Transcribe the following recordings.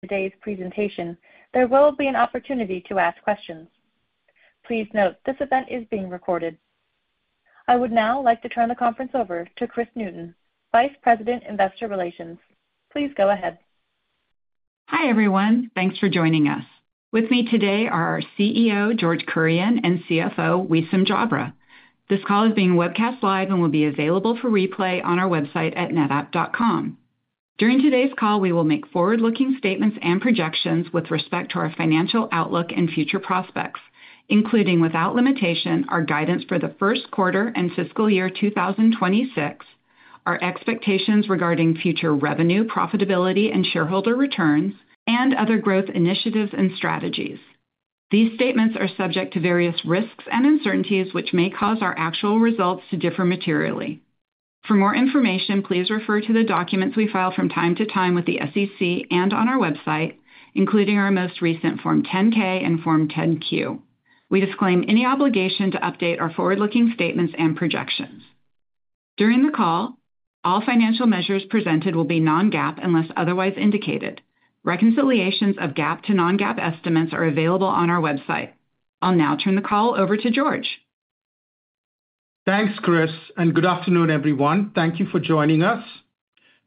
Today's presentation, there will be an opportunity to ask questions. Please note, this event is being recorded. I would now like to turn the conference over to Kris Newton, Vice President, Investor Relations. Please go ahead. Hi everyone, thanks for joining us. With me today are our CEO, George Kurian, and CFO, Wissam Jabre. This call is being webcast live and will be available for replay on our website at netapp.com. During today's call, we will make forward-looking statements and projections with respect to our financial outlook and future prospects, including without limitation, our guidance for the first quarter and fiscal year 2026, our expectations regarding future revenue, profitability, and shareholder returns, and other growth initiatives and strategies. These statements are subject to various risks and uncertainties, which may cause our actual results to differ materially. For more information, please refer to the documents we file from time to time with the SEC and on our website, including our most recent Form 10-K and Form 10-Q. We disclaim any obligation to update our forward-looking statements and projections. During the call, all financial measures presented will be non-GAAP unless otherwise indicated. Reconciliations of GAAP to non-GAAP estimates are available on our website. I'll now turn the call over to George. Thanks, Kris, and good afternoon, everyone. Thank you for joining us.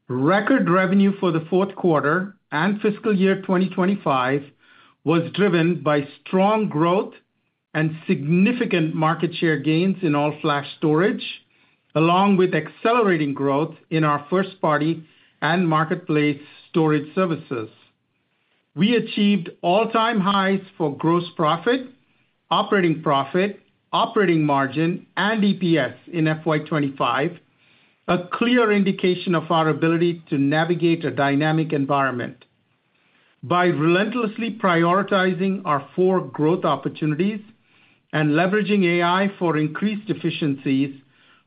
Record revenue for the fourth quarter and fiscal year 2025 was driven by strong growth and significant market share gains in all-flash storage, along with accelerating growth in our first-party and marketplace storage services. We achieved all-time highs for gross profit, operating profit, operating margin, and EPS in FY 2025, a clear indication of our ability to navigate a dynamic environment. By relentlessly prioritizing our four growth opportunities and leveraging AI for increased efficiencies,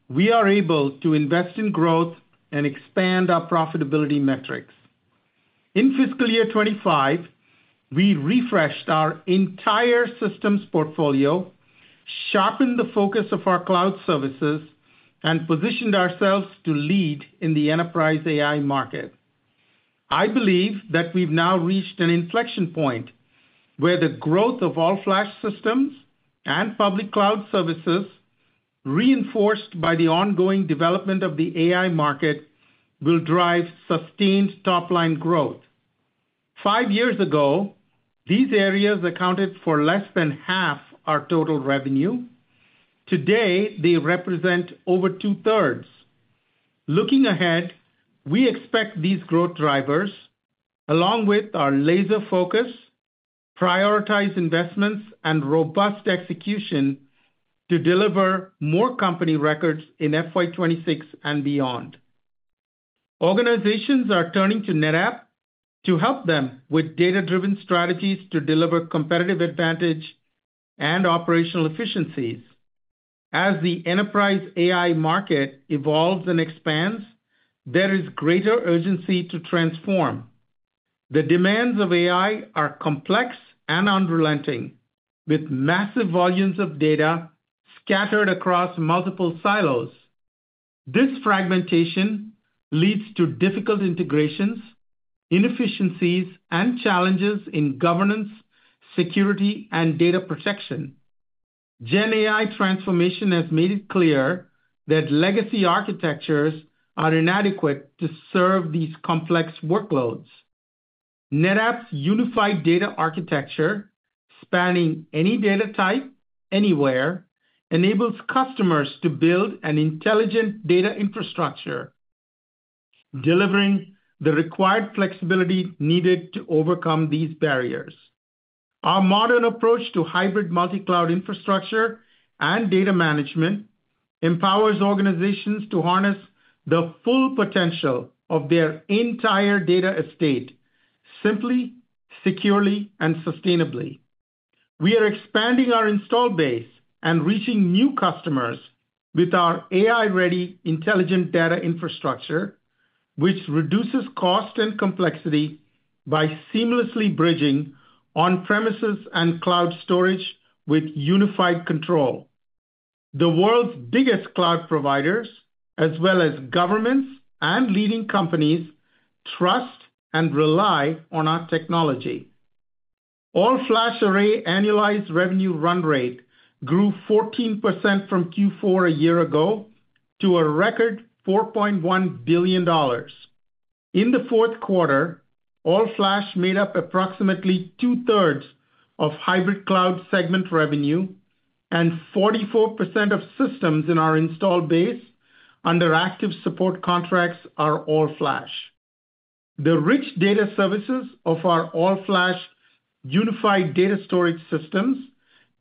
we are able to invest in growth and expand our profitability metrics. In fiscal year 2025, we refreshed our entire systems portfolio, sharpened the focus of our cloud services, and positioned ourselves to lead in the enterprise AI market. I believe that we've now reached an inflection point where the growth of all-flash systems and public cloud services, reinforced by the ongoing development of the AI market, will drive sustained top-line growth. Five years ago, these areas accounted for less than half our total revenue. Today, they represent over two-thirds. Looking ahead, we expect these growth drivers, along with our laser focus, prioritized investments, and robust execution, to deliver more company records in FY 2026 and beyond. Organizations are turning to NetApp to help them with data-driven strategies to deliver competitive advantage and operational efficiencies. As the enterprise AI market evolves and expands, there is greater urgency to transform. The demands of AI are complex and unrelenting, with massive volumes of data scattered across multiple silos. This fragmentation leads to difficult integrations, inefficiencies, and challenges in governance, security, and data protection. GenAI transformation has made it clear that legacy architectures are inadequate to serve these complex workloads. NetApp's unified data architecture, spanning any data type, anywhere, enables customers to build an intelligent data infrastructure, delivering the required flexibility needed to overcome these barriers. Our modern approach to hybrid multi-cloud infrastructure and data management empowers organizations to harness the full potential of their entire data estate simply, securely, and sustainably. We are expanding our install base and reaching new customers with our AI-ready intelligent data infrastructure, which reduces cost and complexity by seamlessly bridging on-premises and cloud storage with unified control. The world's biggest cloud providers, as well as governments and leading companies, trust and rely on our technology. All-flash array annualized revenue run rate grew 14% from Q4 a year ago to a record $4.1 billion. In the fourth quarter, all-flash made up approximately two-thirds of hybrid cloud segment revenue, and 44% of systems in our install base under active support contracts are all-flash. The rich data services of our all-flash unified data storage systems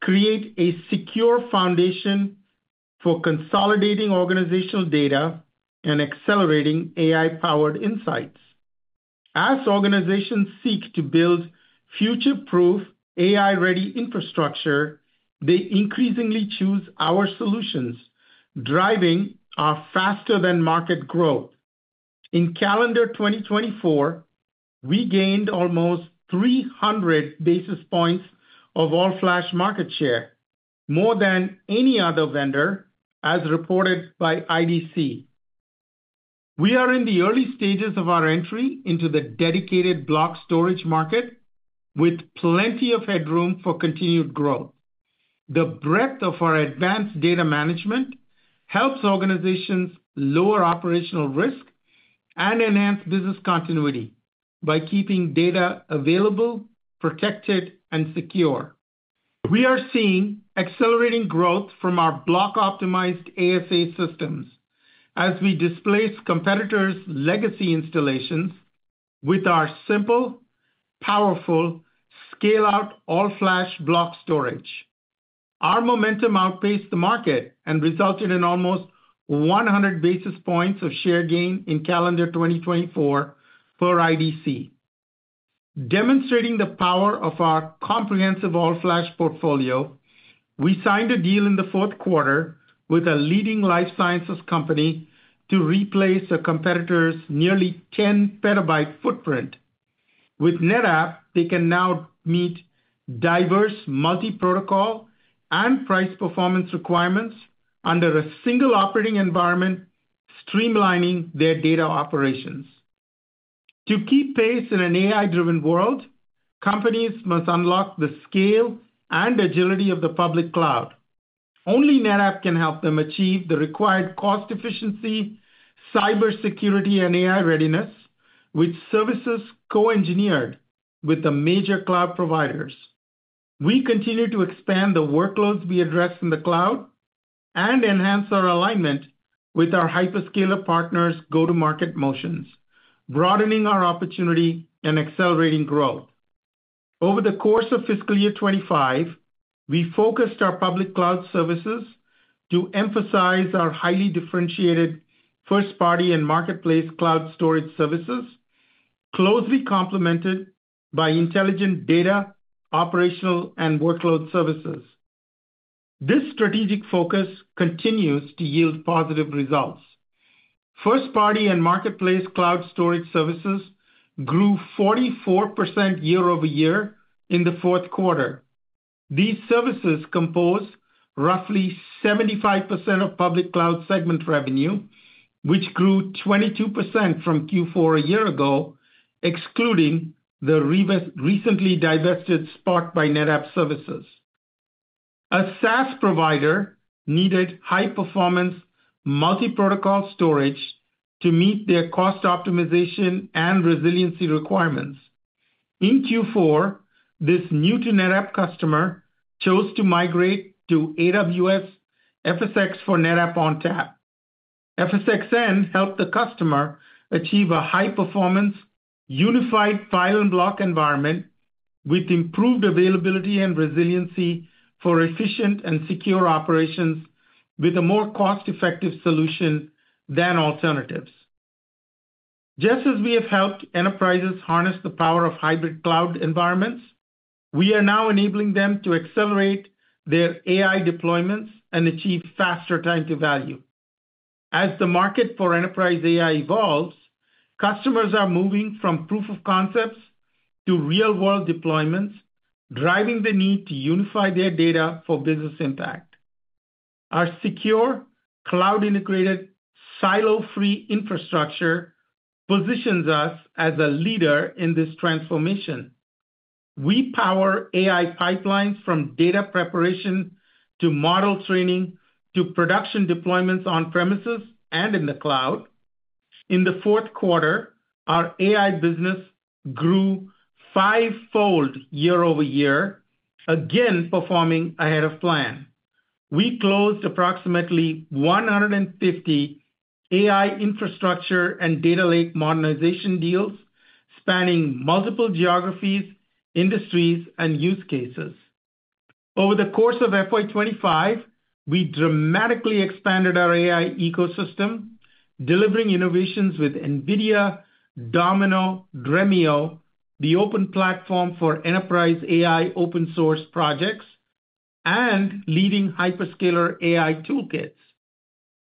create a secure foundation for consolidating organizational data and accelerating AI-powered insights. As organizations seek to build future-proof AI-ready infrastructure, they increasingly choose our solutions, driving our faster-than-market growth. In calendar 2024, we gained almost 300 basis points of all-flash market share, more than any other vendor, as reported by IDC. We are in the early stages of our entry into the dedicated block storage market, with plenty of headroom for continued growth. The breadth of our advanced data management helps organizations lower operational risk and enhance business continuity by keeping data available, protected, and secure. We are seeing accelerating growth from our block-optimized ASA systems as we displace competitors' legacy installations with our simple, powerful, scale-out all-flash block storage. Our momentum outpaced the market and resulted in almost 100 basis points of share gain in calendar 2024 per IDC. Demonstrating the power of our comprehensive all-flash portfolio, we signed a deal in the fourth quarter with a leading life sciences company to replace a competitor's nearly 10 TB footprint. With NetApp, they can now meet diverse multi-protocol and price performance requirements under a single operating environment, streamlining their data operations. To keep pace in an AI-driven world, companies must unlock the scale and agility of the public cloud. Only NetApp can help them achieve the required cost efficiency, cybersecurity, and AI readiness with services co-engineered with the major cloud providers. We continue to expand the workloads we address in the cloud and enhance our alignment with our hyperscaler partners' go-to-market motions, broadening our opportunity and accelerating growth. Over the course of fiscal year 2025, we focused our public cloud services to emphasize our highly differentiated first-party and marketplace cloud storage services, closely complemented by intelligent data operational and workload services. This strategic focus continues to yield positive results. First-party and marketplace cloud storage services grew 44% year-over-year in the fourth quarter. These services compose roughly 75% of public cloud segment revenue, which grew 22% from Q4 a year ago, excluding the recently divested Spot by NetApp services. A SaaS provider needed high-performance multi-protocol storage to meet their cost optimization and resiliency requirements. In Q4, this new-to-NetApp customer chose to migrate to AWS FSx for NetApp ONTAP. FSx then helped the customer achieve a high-performance unified file and block environment with improved availability and resiliency for efficient and secure operations with a more cost-effective solution than alternatives. Just as we have helped enterprises harness the power of hybrid cloud environments, we are now enabling them to accelerate their AI deployments and achieve faster time to value. As the market for enterprise AI evolves, customers are moving from proof of concepts to real-world deployments, driving the need to unify their data for business impact. Our secure, cloud-integrated, silo-free infrastructure positions us as a leader in this transformation. We power AI pipelines from data preparation to model training to production deployments on premises and in the cloud. In the fourth quarter, our AI business grew fivefold year-over-year, again performing ahead of plan. We closed approximately 150 AI infrastructure and data lake modernization deals spanning multiple geographies, industries, and use cases. Over the course of FY 2025, we dramatically expanded our AI ecosystem, delivering innovations with NVIDIA, Domino Data Labs, Dremio, the open platform for enterprise AI open-source projects, and leading hyperscaler AI toolkits.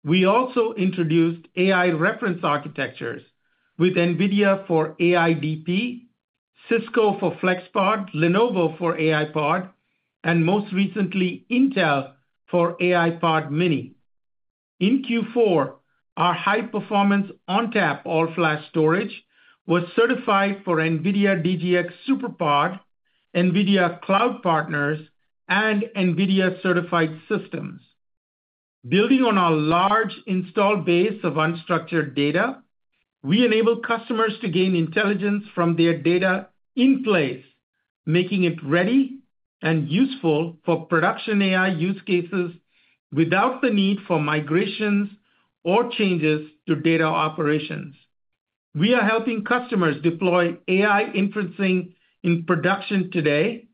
We also introduced AI reference architectures with NVIDIA for AIDP, Cisco for FlexPod, Lenovo for AIPod, and most recently, Intel for AIPod Mini. In Q4, our high-performance ONTAP all-flash storage was certified for NVIDIA DGX SuperPOD, NVIDIA Cloud Partners, and NVIDIA Certified Systems. Building on our large install base of unstructured data, we enable customers to gain intelligence from their data in place, making it ready and useful for production AI use cases without the need for migrations or changes to data operations. We are helping customers deploy AI inferencing in production today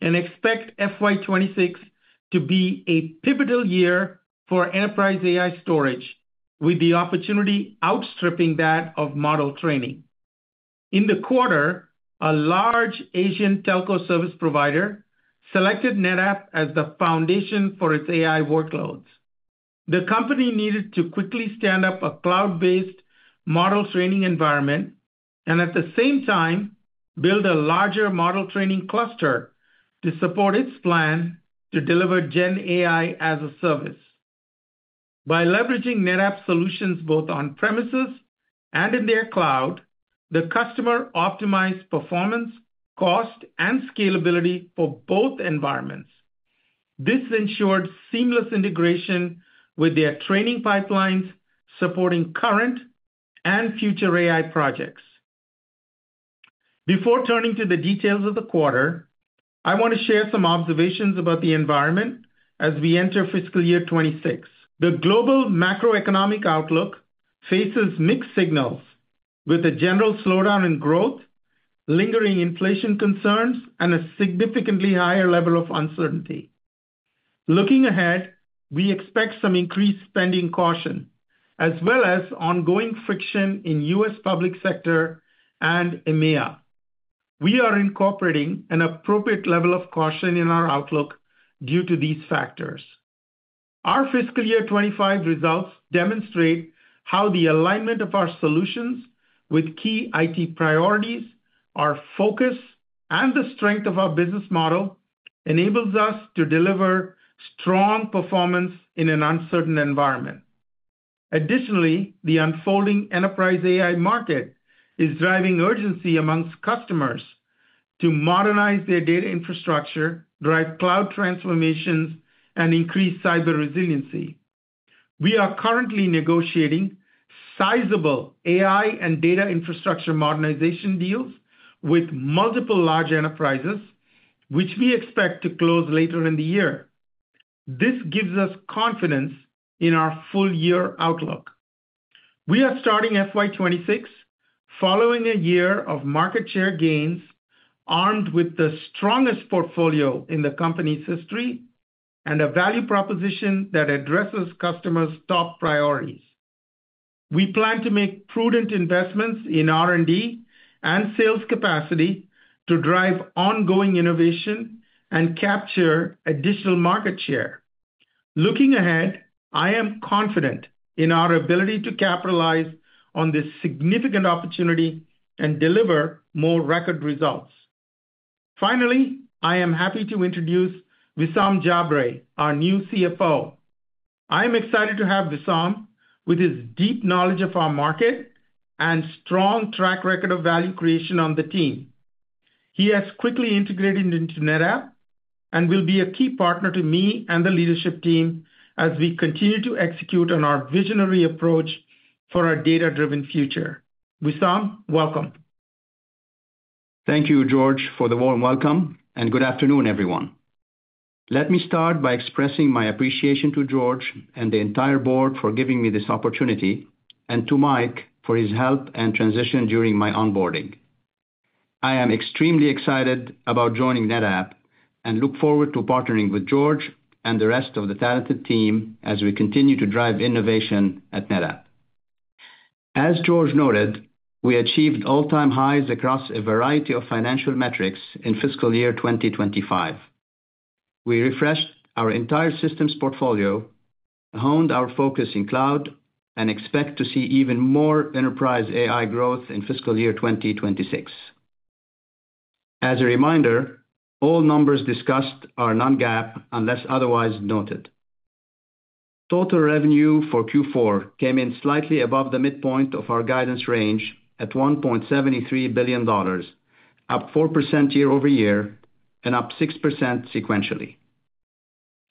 and expect FY 2026 to be a pivotal year for enterprise AI storage, with the opportunity outstripping that of model training. In the quarter, a large Asian telco service provider selected NetApp as the foundation for its AI workloads. The company needed to quickly stand up a cloud-based model training environment and, at the same time, build a larger model training cluster to support its plan to deliver GenAI as a service. By leveraging NetApp solutions both on premises and in their cloud, the customer optimized performance, cost, and scalability for both environments. This ensured seamless integration with their training pipelines, supporting current and future AI projects. Before turning to the details of the quarter, I want to share some observations about the environment as we enter fiscal year 2026. The global macroeconomic outlook faces mixed signals, with a general slowdown in growth, lingering inflation concerns, and a significantly higher level of uncertainty. Looking ahead, we expect some increased spending caution, as well as ongoing friction in the U.S. public sector and EMEA. We are incorporating an appropriate level of caution in our outlook due to these factors. Our fiscal year 2025 results demonstrate how the alignment of our solutions with key IT priorities, our focus, and the strength of our business model enables us to deliver strong performance in an uncertain environment. Additionally, the unfolding enterprise AI market is driving urgency amongst customers to modernize their data infrastructure, drive cloud transformations, and increase cyber resiliency. We are currently negotiating sizable AI and data infrastructure modernization deals with multiple large enterprises, which we expect to close later in the year. This gives us confidence in our full-year outlook. We are starting FY 2026 following a year of market share gains armed with the strongest portfolio in the company's history and a value proposition that addresses customers' top priorities. We plan to make prudent investments in R&D and sales capacity to drive ongoing innovation and capture additional market share. Looking ahead, I am confident in our ability to capitalize on this significant opportunity and deliver more record results. Finally, I am happy to introduce Wissam Jabre, our new CFO. I am excited to have Wissam, with his deep knowledge of our market and strong track record of value creation on the team. He has quickly integrated into NetApp and will be a key partner to me and the leadership team as we continue to execute on our visionary approach for our data-driven future. Wissam, welcome. Thank you, George, for the warm welcome, and good afternoon, everyone. Let me start by expressing my appreciation to George and the entire board for giving me this opportunity, and to Mike for his help and transition during my onboarding. I am extremely excited about joining NetApp and look forward to partnering with George and the rest of the talented team as we continue to drive innovation at NetApp. As George noted, we achieved all-time highs across a variety of financial metrics in fiscal year 2025. We refreshed our entire systems portfolio, honed our focus in cloud, and expect to see even more enterprise AI growth in fiscal year 2026. As a reminder, all numbers discussed are non-GAAP unless otherwise noted. Total revenue for Q4 came in slightly above the midpoint of our guidance range at $1.73 billion, up 4% year-over-year and up 6% sequentially.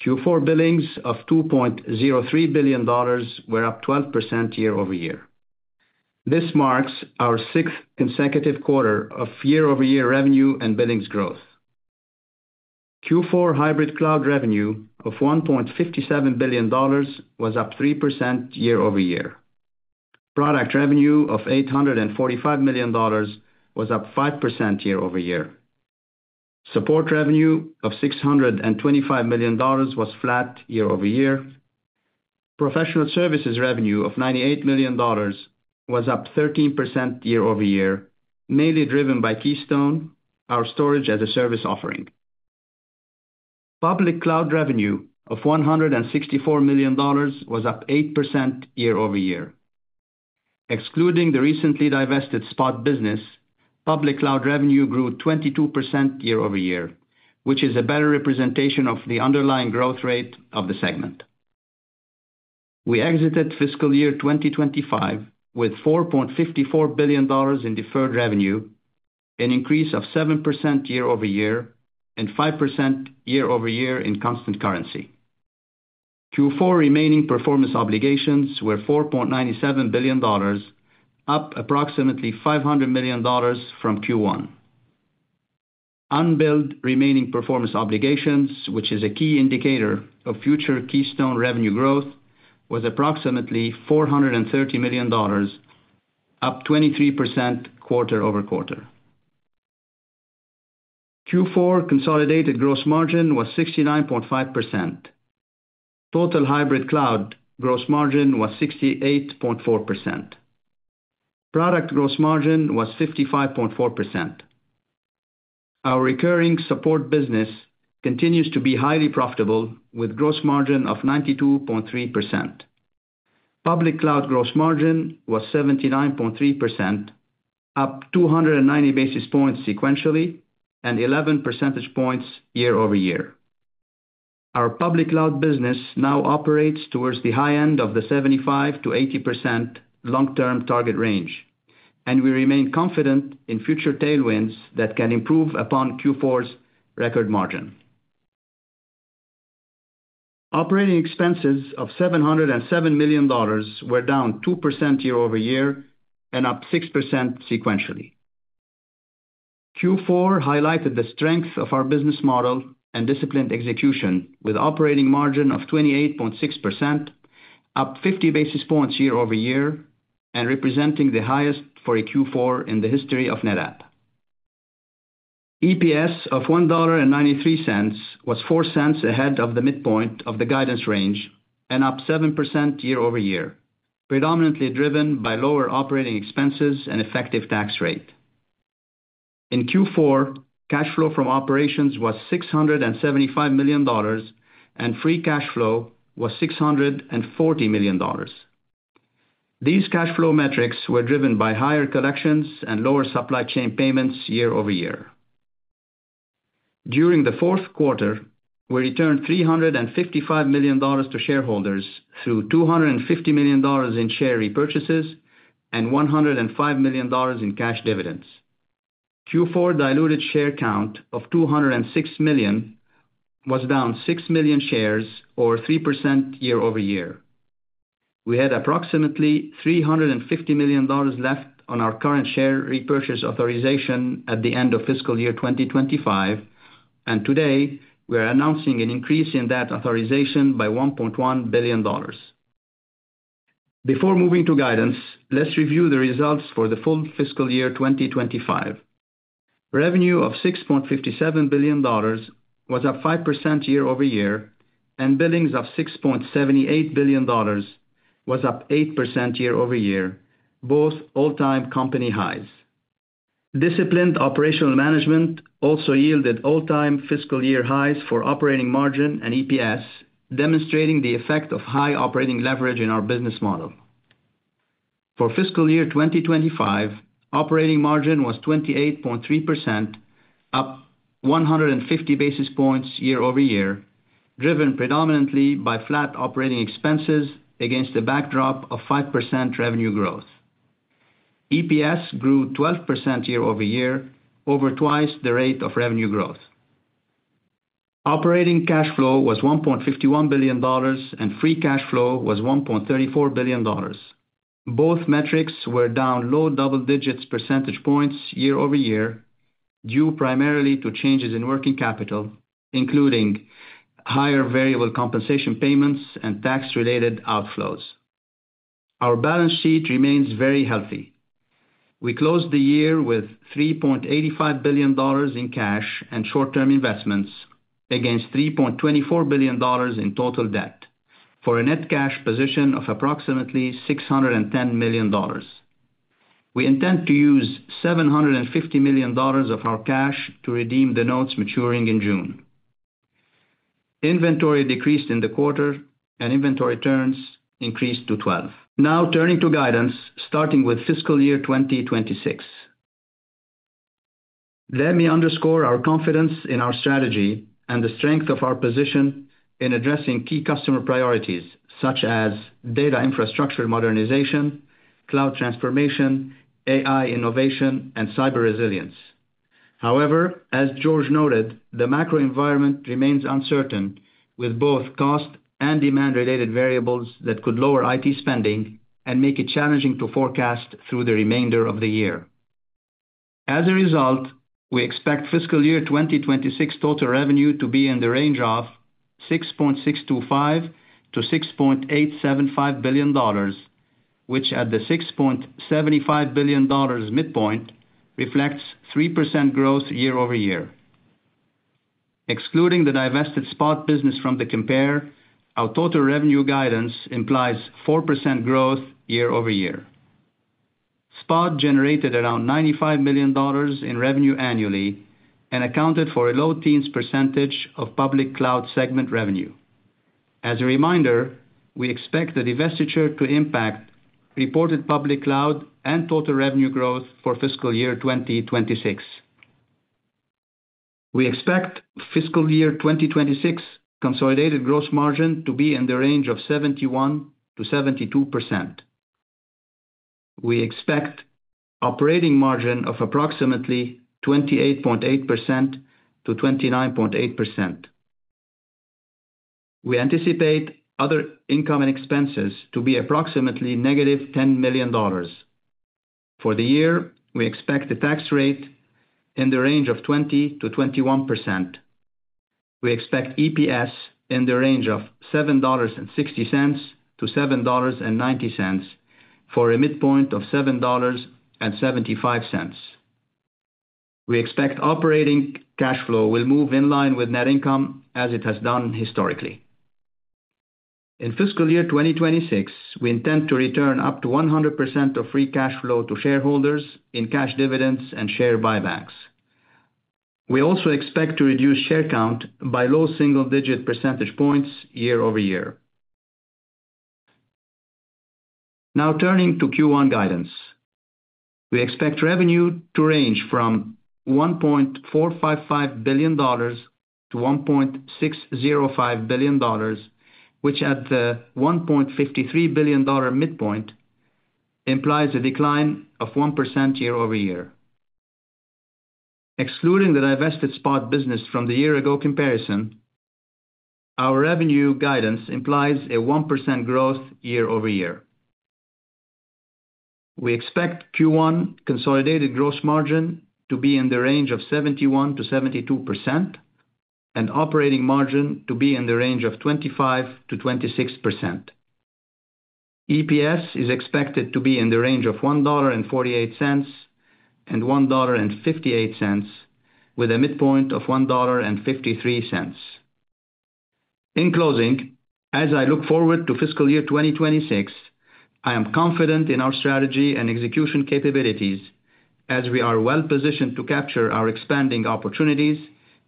Q4 billings of $2.03 billion were up 12% year-over-year. This marks our sixth consecutive quarter of year-over-year revenue and billings growth. Q4 hybrid cloud revenue of $1.57 billion was up 3% year-over-year. Product revenue of $845 million was up 5% year-over-year. Support revenue of $625 million was flat year-over-year. Professional services revenue of $98 million was up 13% year-over-year, mainly driven by Keystone, our storage-as-a-service offering. Public cloud revenue of $164 million was up 8% year-over-year. Excluding the recently divested Spot by NetApp business, public cloud revenue grew 22% year-over-year, which is a better representation of the underlying growth rate of the segment. We exited fiscal year 2025 with $4.54 billion in deferred revenue, an increase of 7% year-over-year and 5% year-over-year in constant currency. Q4 remaining performance obligations were $4.97 billion, up approximately $500 million from Q1. Unbilled remaining performance obligations, which is a key indicator of future Keystone revenue growth, were approximately $430 million, up 23% quarter over quarter. Q4 consolidated gross margin was 69.5%. Total hybrid cloud gross margin was 68.4%. Product gross margin was 55.4%. Our recurring support business continues to be highly profitable with a gross margin of 92.3%. Public cloud gross margin was 79.3%, up 290 basis points sequentially and 11 percentage points year-over-year. Our public cloud business now operates towards the high end of the 75%-80% long-term target range, and we remain confident in future tailwinds that can improve upon Q4's record margin. Operating expenses of $707 million were down 2% year-over-year and up 6% sequentially. Q4 highlighted the strength of our business model and disciplined execution, with an operating margin of 28.6%, up 50 basis points year-over-year, and representing the highest for a Q4 in the history of NetApp. EPS of $1.93 was 4 cents ahead of the midpoint of the guidance range and up 7% year-over-year, predominantly driven by lower operating expenses and an effective tax rate. In Q4, cash flow from operations was $675 million and free cash flow was $640 million. These cash flow metrics were driven by higher collections and lower supply chain payments year-over-year. During the fourth quarter, we returned $355 million to shareholders through $250 million in share repurchases and $105 million in cash dividends. Q4 diluted share count of 206 million was down 6 million shares, or 3% year-over-year. We had approximately $350 million left on our current share repurchase authorization at the end of fiscal year 2025, and today we are announcing an increase in that authorization by $1.1 billion. Before moving to guidance, let's review the results for the full fiscal year 2025. Revenue of $6.57 billion was up 5% year-over-year, and billings of $6.78 billion was up 8% year-over-year, both all-time company highs. Disciplined operational management also yielded all-time fiscal year highs for operating margin and EPS, demonstrating the effect of high operating leverage in our business model. For fiscal year 2025, operating margin was 28.3%, up 150 basis points year-over-year, driven predominantly by flat operating expenses against a backdrop of 5% revenue growth. EPS grew 12% year-over-year, over twice the rate of revenue growth. Operating cash flow was $1.51 billion, and free cash flow was $1.34 billion. Both metrics were down low double-digit percentage points year-over-year due primarily to changes in working capital, including higher variable compensation payments and tax-related outflows. Our balance sheet remains very healthy. We closed the year with $3.85 billion in cash and short-term investments against $3.24 billion in total debt for a net cash position of approximately $610 million. We intend to use $750 million of our cash to redeem the notes maturing in June. Inventory decreased in the quarter, and inventory turns increased to 12. Now, turning to guidance, starting with fiscal year 2026. Let me underscore our confidence in our strategy and the strength of our position in addressing key customer priorities such as data infrastructure modernization, cloud transformation, AI innovation, and cyber resilience. However, as George noted, the macro environment remains uncertain, with both cost and demand-related variables that could lower IT spending and make it challenging to forecast through the remainder of the year. As a result, we expect fiscal year 2026 total revenue to be in the range of $6.625 billion-$6.875 billion, which at the $6.75 billion midpoint reflects 3% growth year-over-year. Excluding the divested Spot business from the compare, our total revenue guidance implies 4% growth year-over-year. Spot generated around $95 million in revenue annually and accounted for a low teens percentage of public cloud segment revenue. As a reminder, we expect the divestiture to impact reported public cloud and total revenue growth for fiscal year 2026. We expect fiscal year 2026 consolidated gross margin to be in the range of 71%-72%. We expect operating margin of approximately 28.8%-29.8%. We anticipate other income and expenses to be approximately negative $10 million. For the year, we expect the tax rate in the range of 20%-21%. We expect EPS in the range of $7.60-$7.90 for a midpoint of $7.75. We expect operating cash flow will move in line with net income as it has done historically. In fiscal year 2026, we intend to return up to 100% of free cash flow to shareholders in cash dividends and share buybacks. We also expect to reduce share count by low single-digit percentage points year-over-year. Now, turning to Q1 guidance, we expect revenue to range from $1.455 billion-$1.605 billion, which at the $1.53 billion midpoint implies a decline of 1% year-over-year. Excluding the divested Spot by NetApp business from the year-ago comparison, our revenue guidance implies a 1% growth year-over-year. We expect Q1 consolidated gross margin to be in the range of 71%-72% and operating margin to be in the range of 25%-26%. EPS is expected to be in the range of $1.48 and $1.58, with a midpoint of $1.53. In closing, as I look forward to fiscal year 2026, I am confident in our strategy and execution capabilities as we are well-positioned to capture our expanding opportunities,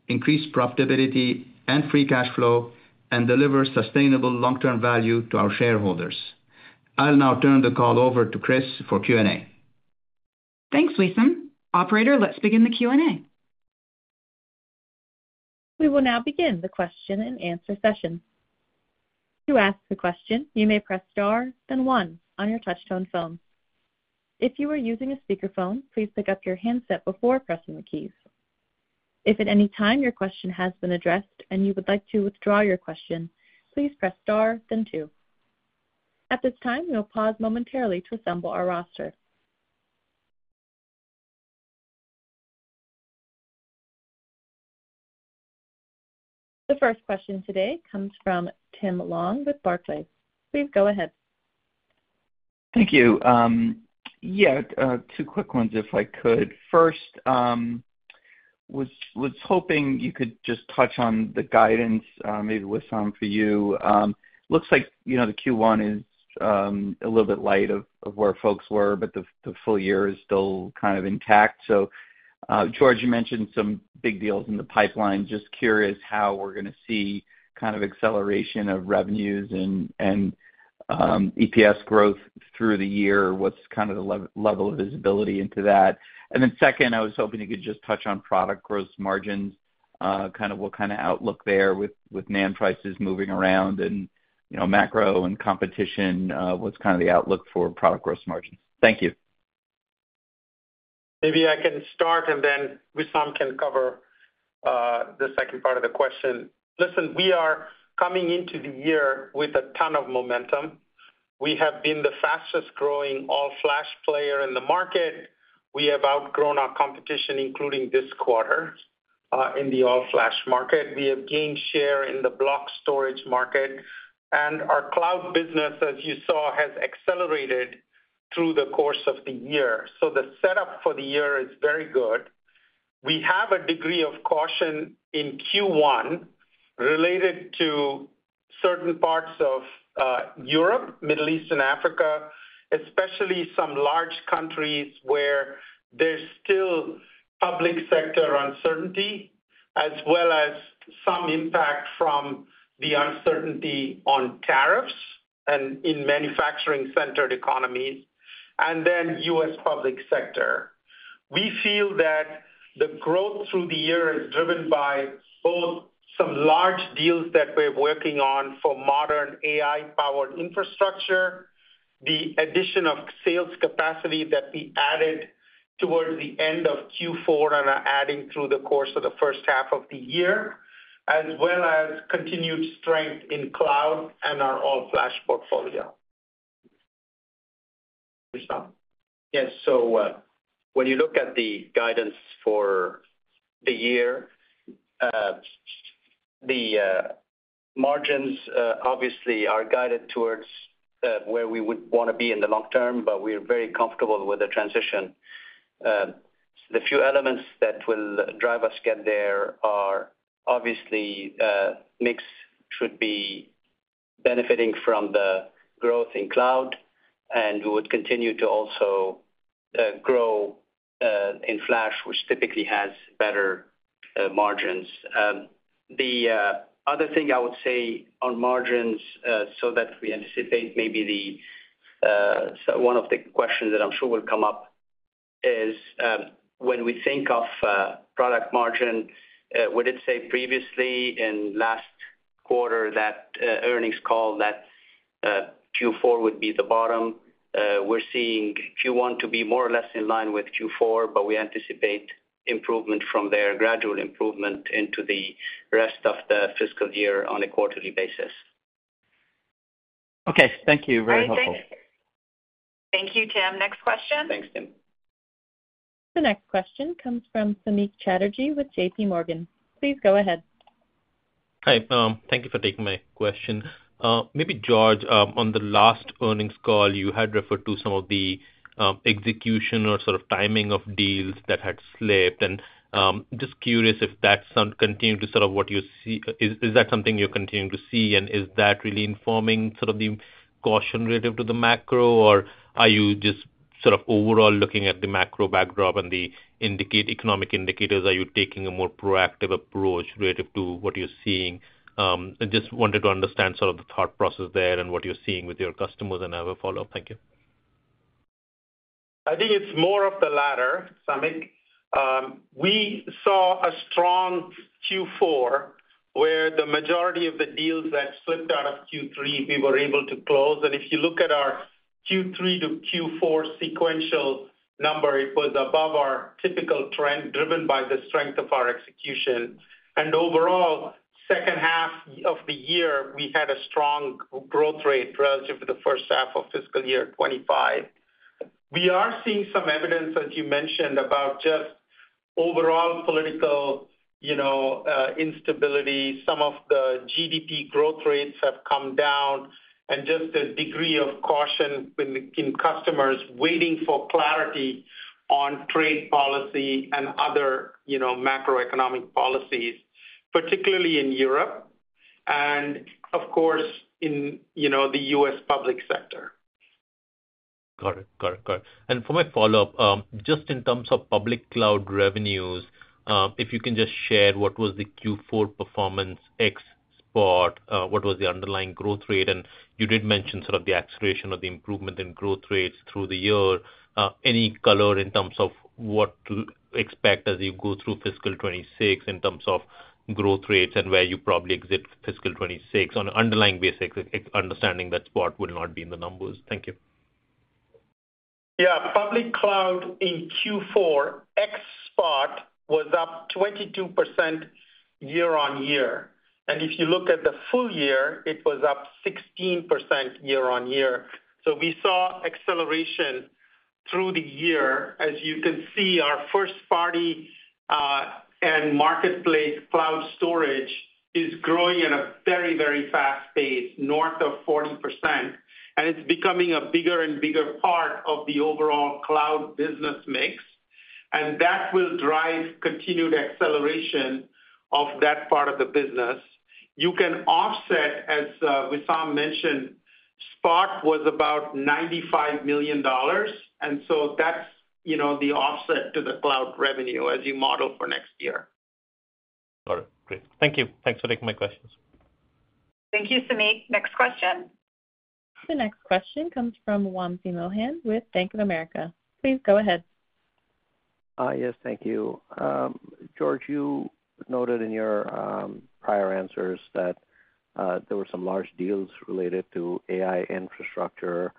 increase profitability and free cash flow, and deliver sustainable long-term value to our shareholders. I'll now turn the call over to Chris for Q&A. Thanks, Wissam. Operator, let's begin the Q&A. We will now begin the question and answer session. To ask a question, you may press star, then one on your touch-tone phone. If you are using a speakerphone, please pick up your handset before pressing the keys. If at any time your question has been addressed and you would like to withdraw your question, please press star, then two. At this time, we'll pause momentarily to assemble our roster. The first question today comes from Tim Long with Barclays. Please go ahead. Thank you. Yeah, two quick ones if I could. First, was hoping you could just touch on the guidance, maybe Wissam for you. Looks like the Q1 is a little bit light of where folks were, but the full year is still kind of intact. George, you mentioned some big deals in the pipeline. Just curious how we're going to see kind of acceleration of revenues and EPS growth through the year. What's kind of the level of visibility into that? I was hoping you could just touch on product gross margins, kind of what kind of outlook there with NAND prices moving around and macro and competition. What's kind of the outlook for product gross margins? Thank you. Maybe I can start, and then Wissam can cover the second part of the question. Listen, we are coming into the year with a ton of momentum. We have been the fastest-growing all-flash player in the market. We have outgrown our competition, including this quarter in the all-flash market. We have gained share in the block storage market, and our cloud business, as you saw, has accelerated through the course of the year. The setup for the year is very good. We have a degree of caution in Q1 related to certain parts of Europe, Middle East, and Africa, especially some large countries where there's still public sector uncertainty, as well as some impact from the uncertainty on tariffs and in manufacturing-centered economies, and then U.S. public sector. We feel that the growth through the year is driven by both some large deals that we're working on for modern AI-powered infrastructure, the addition of sales capacity that we added towards the end of Q4 and are adding through the course of the first half of the year, as well as continued strength in cloud and our all-flash portfolio. Yes. When you look at the guidance for the year, the margins obviously are guided towards where we would want to be in the long term, but we are very comfortable with the transition. The few elements that will drive us to get there are obviously mix should be benefiting from the growth in cloud, and we would continue to also grow in flash, which typically has better margins. The other thing I would say on margins, so that we anticipate maybe one of the questions that I'm sure will come up is when we think of product margin, would it say previously in last quarter that earnings call that Q4 would be the bottom? We're seeing Q1 to be more or less in line with Q4, but we anticipate improvement from there, gradual improvement into the rest of the fiscal year on a quarterly basis. Okay. Thank you. Very helpful. Thank you, Tim. Next question? Thanks, Tim. The next question comes from Samik Chatterjee with JPMorgan. Please go ahead. Hi. Thank you for taking my question. Maybe, George, on the last earnings call, you had referred to some of the execution or sort of timing of deals that had slipped, and just curious if that's continued to sort of what you see. Is that something you're continuing to see, and is that really informing sort of the caution relative to the macro, or are you just sort of overall looking at the macro backdrop and the economic indicators? Are you taking a more proactive approach relative to what you're seeing? Just wanted to understand sort of the thought process there and what you're seeing with your customers and have a follow-up. Thank you. I think it's more of the latter, Samik. We saw a strong Q4 where the majority of the deals that slipped out of Q3, we were able to close. If you look at our Q3 to Q4 sequential number, it was above our typical trend driven by the strength of our execution. Overall, second half of the year, we had a strong growth rate relative to the first half of fiscal year 2025. We are seeing some evidence, as you mentioned, about just overall political instability. Some of the GDP growth rates have come down, and just a degree of caution in customers waiting for clarity on trade policy and other macroeconomic policies, particularly in Europe and, of course, in the U.S. public sector. Got it. Got it. Got it. For my follow-up, just in terms of public cloud revenues, if you can just share what was the Q4 performance export, what was the underlying growth rate? You did mention sort of the acceleration of the improvement in growth rates through the year. Any color in terms of what to expect as you go through fiscal 2026 in terms of growth rates and where you probably exit fiscal 2026 on an underlying basis, understanding that Spot will not be in the numbers? Thank you. Yeah. Public cloud in Q4 export was up 22% year on year. If you look at the full year, it was up 16% year on year. We saw acceleration through the year. As you can see, our first-party and marketplace cloud storage is growing at a very, very fast pace, north of 40%, and it is becoming a bigger and bigger part of the overall cloud business mix, and that will drive continued acceleration of that part of the business. You can offset, as Wissam mentioned, Spot was about $95 million, and that is the offset to the cloud revenue as you model for next year. Got it. Great. Thank you. Thanks for taking my questions. Thank you, Samik. Next question. The next question comes from Wansi Mohan with Bank of America. Please go ahead. Yes. Thank you. George, you noted in your prior answers that there were some large deals related to AI infrastructure.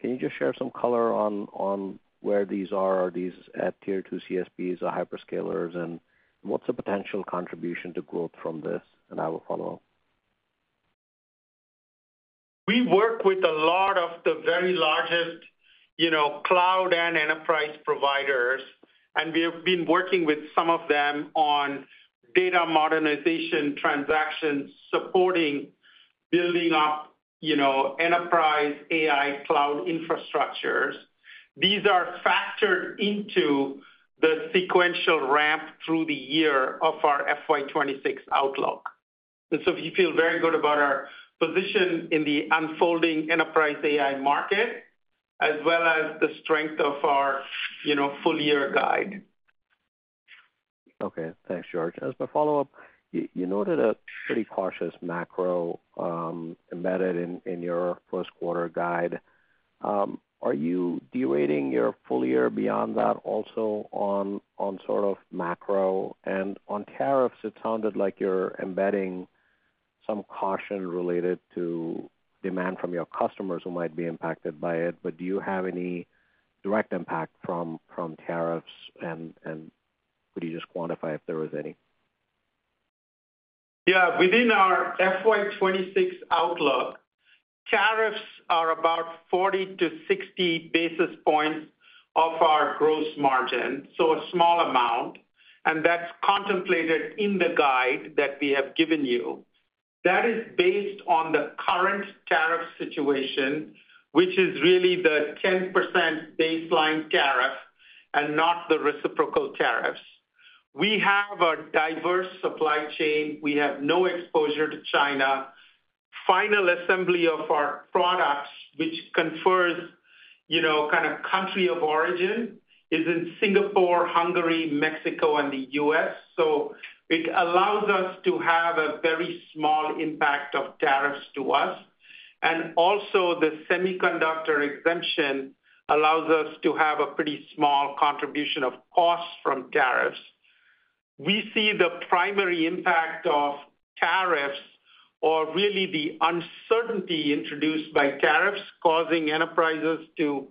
Can you just share some color on where these are? Are these at tier two CSPs, the hyperscalers, and what's the potential contribution to growth from this? I will follow up. We work with a lot of the very largest cloud and enterprise providers, and we have been working with some of them on data modernization transactions supporting building up enterprise AI cloud infrastructures. These are factored into the sequential ramp through the year of our FY 2026 outlook. We feel very good about our position in the unfolding enterprise AI market, as well as the strength of our full-year guide. Okay. Thanks, George. As my follow-up, you noted a pretty cautious macro embedded in your first-quarter guide. Are you de-rating your full year beyond that also on sort of macro? On tariffs, it sounded like you're embedding some caution related to demand from your customers who might be impacted by it, but do you have any direct impact from tariffs, and could you just quantify if there was any? Yeah. Within our FY 2026 outlook, tariffs are about 40-60 basis points of our gross margin, so a small amount, and that's contemplated in the guide that we have given you. That is based on the current tariff situation, which is really the 10% baseline tariff and not the reciprocal tariffs. We have a diverse supply chain. We have no exposure to China. Final assembly of our products, which confers kind of country of origin, is in Singapore, Hungary, Mexico, and the U.S. It allows us to have a very small impact of tariffs to us. Also, the semiconductor exemption allows us to have a pretty small contribution of costs from tariffs. We see the primary impact of tariffs, or really the uncertainty introduced by tariffs, causing enterprises to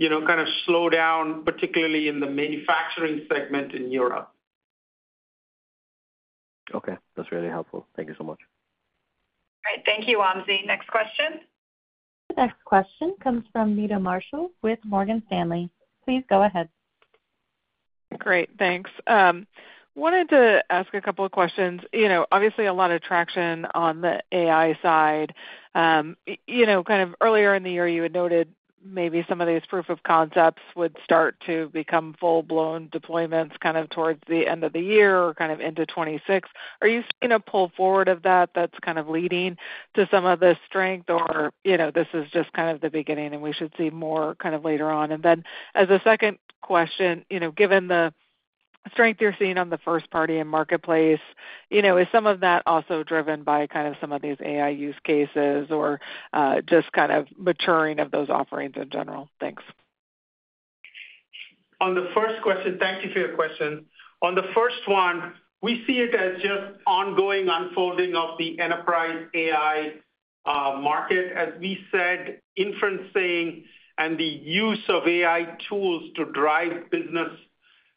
kind of slow down, particularly in the manufacturing segment in Europe. Okay. That's really helpful. Thank you so much. All right. Thank you, Wansi. Next question. The next question comes from Meta Marshall with Morgan Stanley. Please go ahead. Great. Thanks. Wanted to ask a couple of questions. Obviously, a lot of traction on the AI side. Kind of earlier in the year, you had noted maybe some of these proof of concepts would start to become full-blown deployments kind of towards the end of the year or kind of into 2026. Are you seeing a pull forward of that that's kind of leading to some of this strength, or this is just kind of the beginning and we should see more kind of later on? As a second question, given the strength you're seeing on the first-party and marketplace, is some of that also driven by kind of some of these AI use cases or just kind of maturing of those offerings in general? Thanks. On the first question, thank you for your question. On the first one, we see it as just ongoing unfolding of the enterprise AI market. As we said, inferencing and the use of AI tools to drive business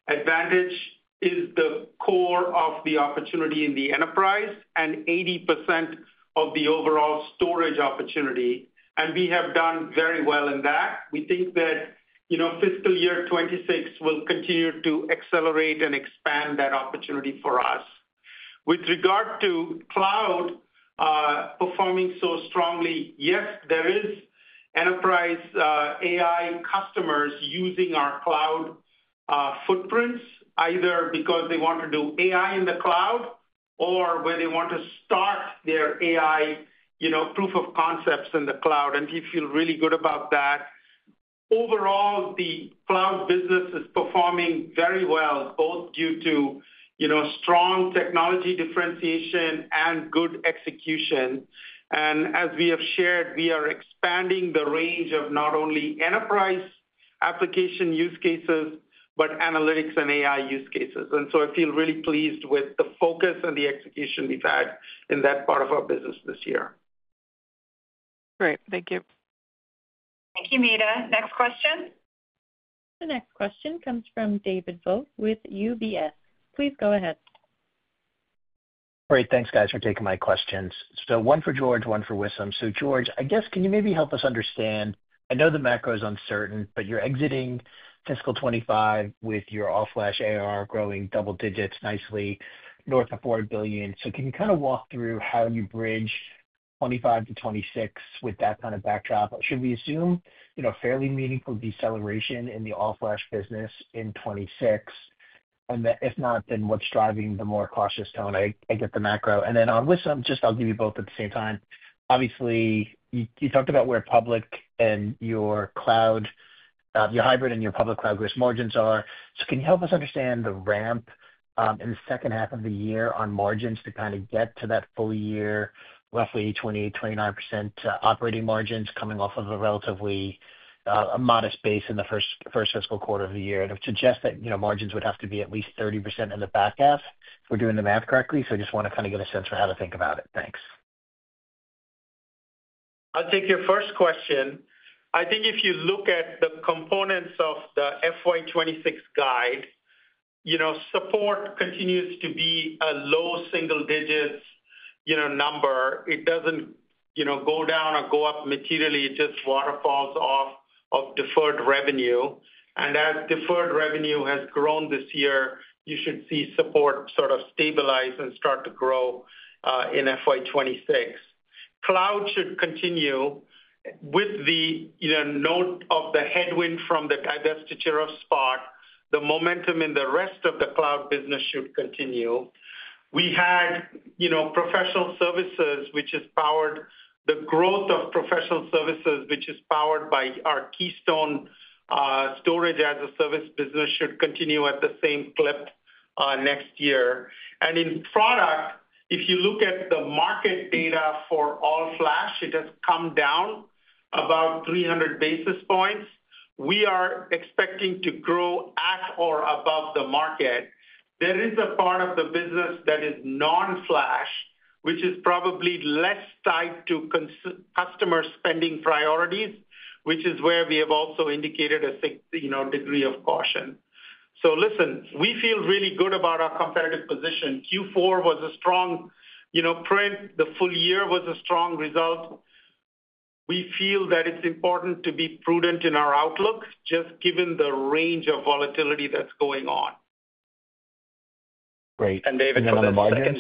advantage is the core of the opportunity in the enterprise and 80% of the overall storage opportunity. We have done very well in that. We think that fiscal year 2026 will continue to accelerate and expand that opportunity for us. With regard to cloud performing so strongly, yes, there is enterprise AI customers using our cloud footprints, either because they want to do AI in the cloud or where they want to start their AI proof of concepts in the cloud, and we feel really good about that. Overall, the cloud business is performing very well, both due to strong technology differentiation and good execution. As we have shared, we are expanding the range of not only enterprise application use cases but analytics and AI use cases. I feel really pleased with the focus and the execution we've had in that part of our business this year. Great. Thank you. Thank you, Meta. Next question. The next question comes from David Vogt with UBS. Please go ahead. Great. Thanks, guys, for taking my questions. One for George, one for Wissam. George, I guess, can you maybe help us understand? I know the macro is uncertain, but you're exiting fiscal 2025 with your all-flash AR growing double digits nicely, north of $4 billion. Can you kind of walk through how you bridge 2025 to 2026 with that kind of backdrop? Should we assume fairly meaningful deceleration in the all-flash business in 2026? If not, then what's driving the more cautious tone? I get the macro. On Wissam, just I'll give you both at the same time. Obviously, you talked about where public and your hybrid and your public cloud gross margins are. Can you help us understand the ramp in the second half of the year on margins to kind of get to that full year, roughly 28%, 29% operating margins coming off of a relatively modest base in the first fiscal quarter of the year? It would suggest that margins would have to be at least 30% in the back half if we're doing the math correctly. I just want to kind of get a sense for how to think about it. Thanks. I'll take your first question. I think if you look at the components of the FY 2026 guide, support continues to be a low single-digit number. It doesn't go down or go up materially. It just waterfalls off of deferred revenue. As deferred revenue has grown this year, you should see support sort of stabilize and start to grow in FY 2026. Cloud should continue with the note of the headwind from the divestiture of Spot by NetApp. The momentum in the rest of the cloud business should continue. We had professional services, which is powered by our Keystone Storage as a Service business, should continue at the same clip next year. In product, if you look at the market data for all-flash, it has come down about 300 basis points. We are expecting to grow at or above the market. There is a part of the business that is non-flash, which is probably less tied to customer spending priorities, which is where we have also indicated a degree of caution. Listen, we feel really good about our competitive position. Q4 was a strong print. The full year was a strong result. We feel that it's important to be prudent in our outlook, just given the range of volatility that's going on. Great. And David, something on the margins?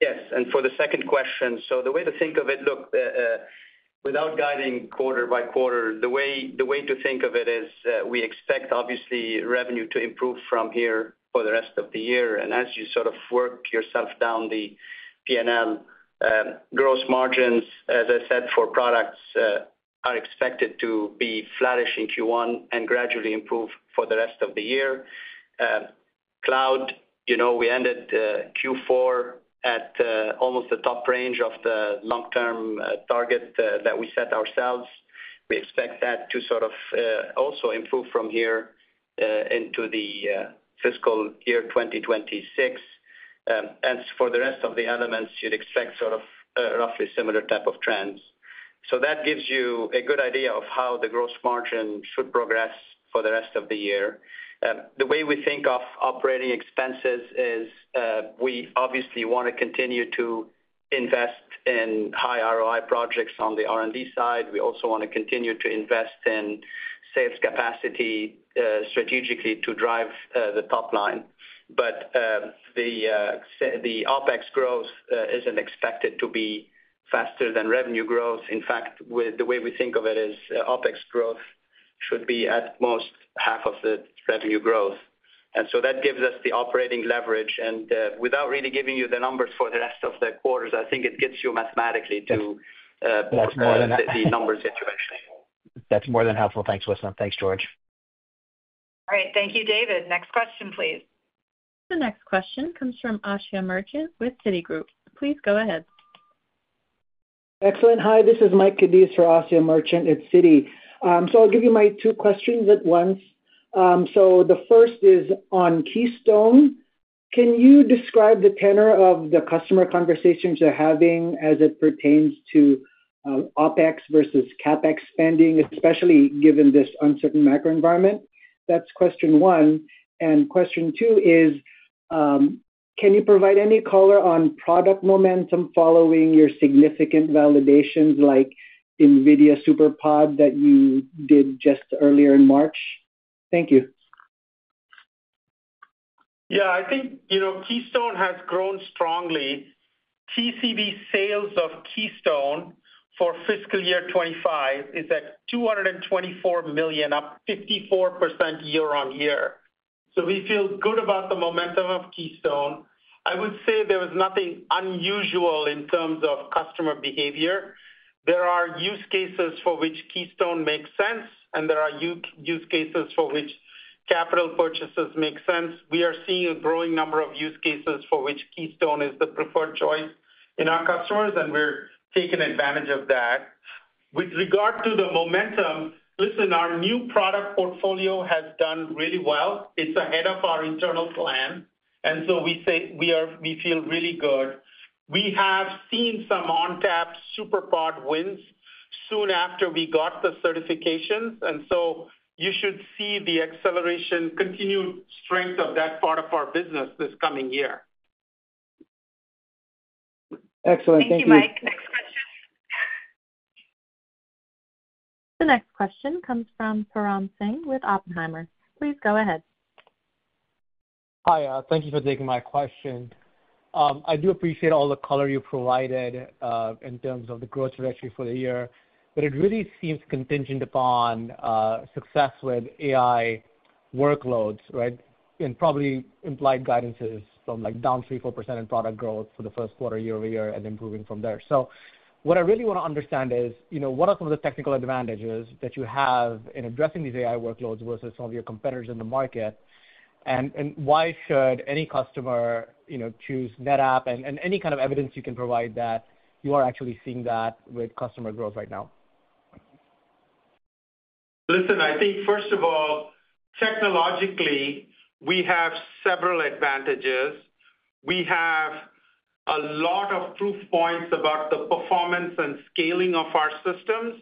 Yes. And for the second question, so the way to think of it, look, without guiding quarter by quarter, the way to think of it is we expect, obviously, revenue to improve from here for the rest of the year. And as you sort of work yourself down the P&L, gross margins, as I said, for products are expected to be flourishing Q1 and gradually improve for the rest of the year. Cloud, we ended Q4 at almost the top range of the long-term target that we set ourselves. We expect that to sort of also improve from here into the fiscal year 2026. For the rest of the elements, you'd expect sort of a roughly similar type of trends. That gives you a good idea of how the gross margin should progress for the rest of the year. The way we think of operating expenses is we obviously want to continue to invest in high ROI projects on the R&D side. We also want to continue to invest in sales capacity strategically to drive the top line. The OpEx growth is not expected to be faster than revenue growth. In fact, the way we think of it is OpEx growth should be at most half of the revenue growth. That gives us the operating leverage. Without really giving you the numbers for the rest of the quarters, I think it gets you mathematically to the numbers that you actually need. That's more than helpful. Thanks, Wissam. Thanks, George. All right. Thank you, David. Next question, please. The next question comes from Asha Merchant with Citi. Please go ahead. Excellent. Hi. This is Mike Cadiz for Asha Merchant at Citi. I'll give you my two questions at once. The first is on Keystone. Can you describe the tenor of the customer conversations you're having as it pertains to OpEx versus CapEx spending, especially given this uncertain macro environment? That's question one. Question two is, can you provide any color on product momentum following your significant validations like NVIDIA SuperPOD that you did just earlier in March? Thank you. Yeah. I think Keystone has grown strongly. TCB sales of Keystone for fiscal year 2025 is at $224 million, up 54% year on year. We feel good about the momentum of Keystone. I would say there was nothing unusual in terms of customer behavior. There are use cases for which Keystone makes sense, and there are use cases for which capital purchases make sense. We are seeing a growing number of use cases for which Keystone is the preferred choice in our customers, and we're taking advantage of that. With regard to the momentum, listen, our new product portfolio has done really well. It's ahead of our internal plan. We feel really good. We have seen some ONTAP SuperPOD wins soon after we got the certifications. You should see the acceleration, continued strength of that part of our business this coming year. Excellent. Thank you. Thank you, Mike. Next question. The next question comes from Param Singh with Oppenheimer. Please go ahead. Hi. Thank you for taking my question. I do appreciate all the color you provided in terms of the growth trajectory for the year, but it really seems contingent upon success with AI workloads, right, and probably implied guidances from down 3-4% in product growth for the first quarter, year-over-year, and improving from there. What I really want to understand is what are some of the technical advantages that you have in addressing these AI workloads versus some of your competitors in the market, and why should any customer choose NetApp, and any kind of evidence you can provide that you are actually seeing that with customer growth right now? Listen, I think, first of all, technologically, we have several advantages. We have a lot of proof points about the performance and scaling of our systems,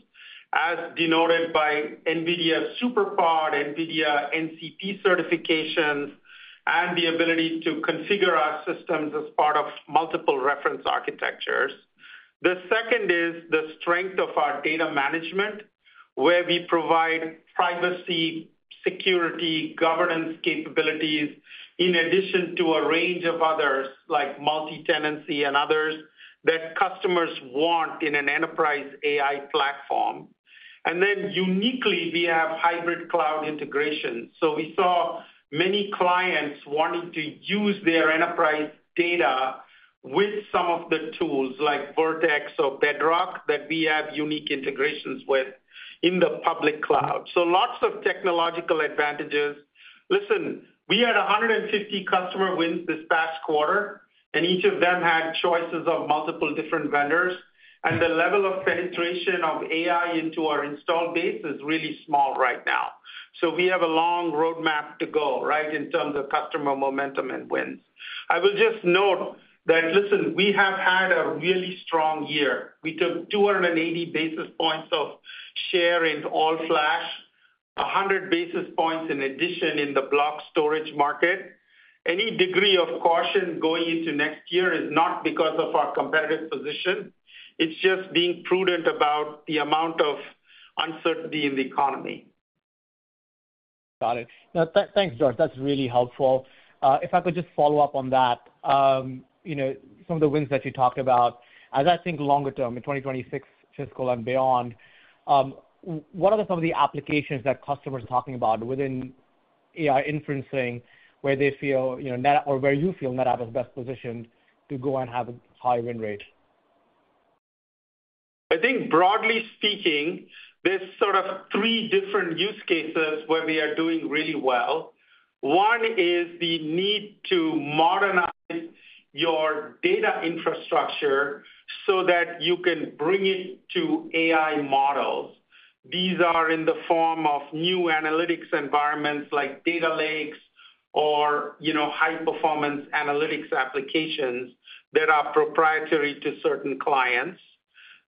as denoted by NVIDIA SuperPOD, NVIDIA NCP certifications, and the ability to configure our systems as part of multiple reference architectures. The second is the strength of our data management, where we provide privacy, security, governance capabilities in addition to a range of others, like multi-tenancy and others, that customers want in an enterprise AI platform. Uniquely, we have hybrid cloud integration. We saw many clients wanting to use their enterprise data with some of the tools like Vertex or Bedrock that we have unique integrations with in the public cloud. Lots of technological advantages. Listen, we had 150 customer wins this past quarter, and each of them had choices of multiple different vendors. The level of penetration of AI into our installed base is really small right now. We have a long roadmap to go, right, in terms of customer momentum and wins. I will just note that, listen, we have had a really strong year. We took 280 basis points of share in all-flash, 100 basis points in addition in the block storage market. Any degree of caution going into next year is not because of our competitive position. It's just being prudent about the amount of uncertainty in the economy. Got it. Now, thanks, George. That's really helpful. If I could just follow up on that, some of the wins that you talked about, as I think longer term in 2026, fiscal and beyond, what are some of the applications that customers are talking about within AI inferencing where they feel or where you feel NetApp is best positioned to go and have a high win rate? I think, broadly speaking, there's sort of three different use cases where we are doing really well. One is the need to modernize your data infrastructure so that you can bring it to AI models. These are in the form of new analytics environments like data lakes or high-performance analytics applications that are proprietary to certain clients.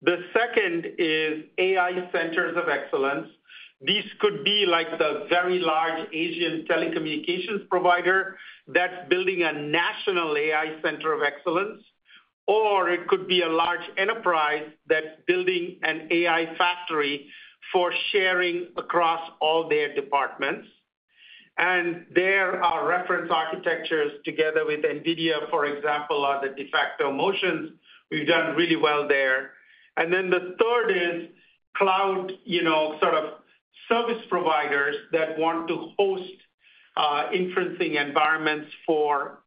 The second is AI centers of excellence. These could be like the very large Asian telecommunications provider that's building a national AI center of excellence, or it could be a large enterprise that's building an AI factory for sharing across all their departments. There are reference architectures together with NVIDIA, for example, are the de facto motions. We've done really well there. And then the third is cloud sort of service providers that want to host inferencing environments for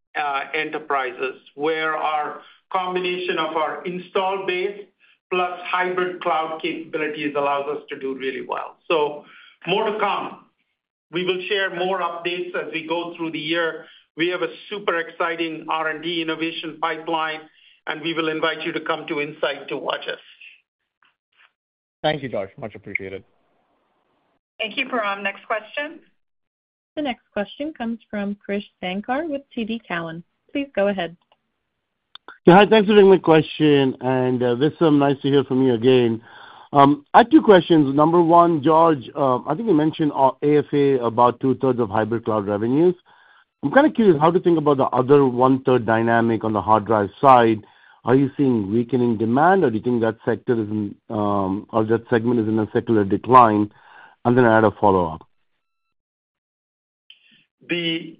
enterprises where our combination of our installed base plus hybrid cloud capabilities allows us to do really well. More to come. We will share more updates as we go through the year. We have a super exciting R&D innovation pipeline, and we will invite you to come to Insight to watch us. Thank you, George. Much appreciated. Thank you, Param. Next question. The next question comes from Krish Sankar with TD Cowen. Please go ahead. Hi. Thanks for taking the question. And Wissam, nice to hear from you again. I have two questions. Number one, George, I think you mentioned AFA about two-thirds of hybrid cloud revenues. I'm kind of curious how to think about the other one-third dynamic on the hard drive side. Are you seeing weakening demand, or do you think that sector is in or that segment is in a secular decline? I had a follow-up. The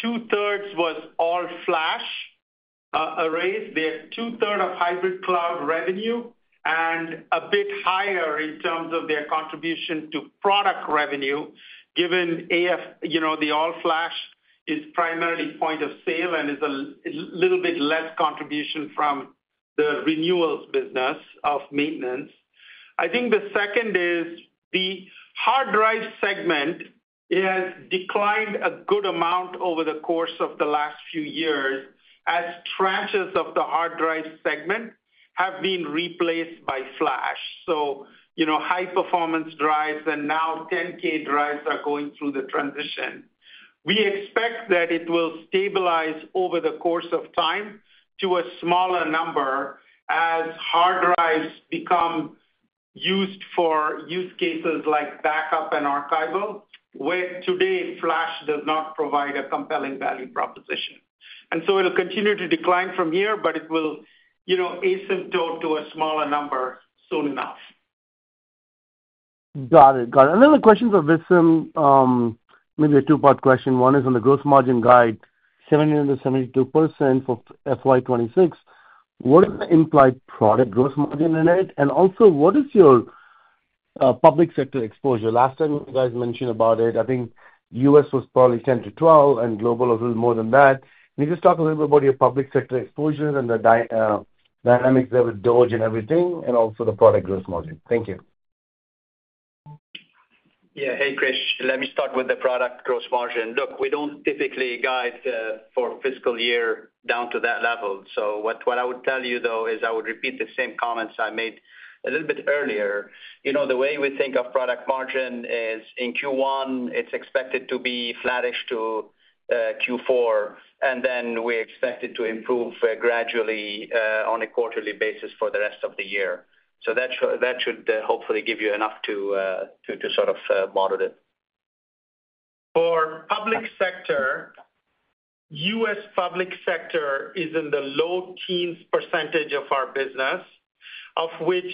two-thirds was all-flash arrays. They are two-thirds of hybrid cloud revenue and a bit higher in terms of their contribution to product revenue, given the all-flash is primarily point of sale and is a little bit less contribution from the renewals business of maintenance. I think the second is the hard drive segment has declined a good amount over the course of the last few years as tranches of the hard drive segment have been replaced by flash. High-performance drives and now 10K drives are going through the transition. We expect that it will stabilize over the course of time to a smaller number as hard drives become used for use cases like backup and archival, where today flash does not provide a compelling value proposition. It will continue to decline from here, but it will asymptote to a smaller number soon enough. Got it. Got it. Another question for Wissam, maybe a two-part question. One is on the gross margin guide, 77% for FY 2026. What is the implied product gross margin in it? Also, what is your public sector exposure? Last time, you guys mentioned about it. I think U.S. was probably 10%-12%, and global a little more than that. Can you just talk a little bit about your public sector exposure and the dynamics there with DoD and everything, and also the product gross margin? Thank you. Yeah. Hey, Krish. Let me start with the product gross margin. Look, we do not typically guide for fiscal year down to that level. What I would tell you, though, is I would repeat the same comments I made a little bit earlier. The way we think of product margin is in Q1, it is expected to be flourish to Q4, and then we are expected to improve gradually on a quarterly basis for the rest of the year. That should hopefully give you enough to sort of model it. For public sector, U.S. public sector is in the low teens percentage of our business, of which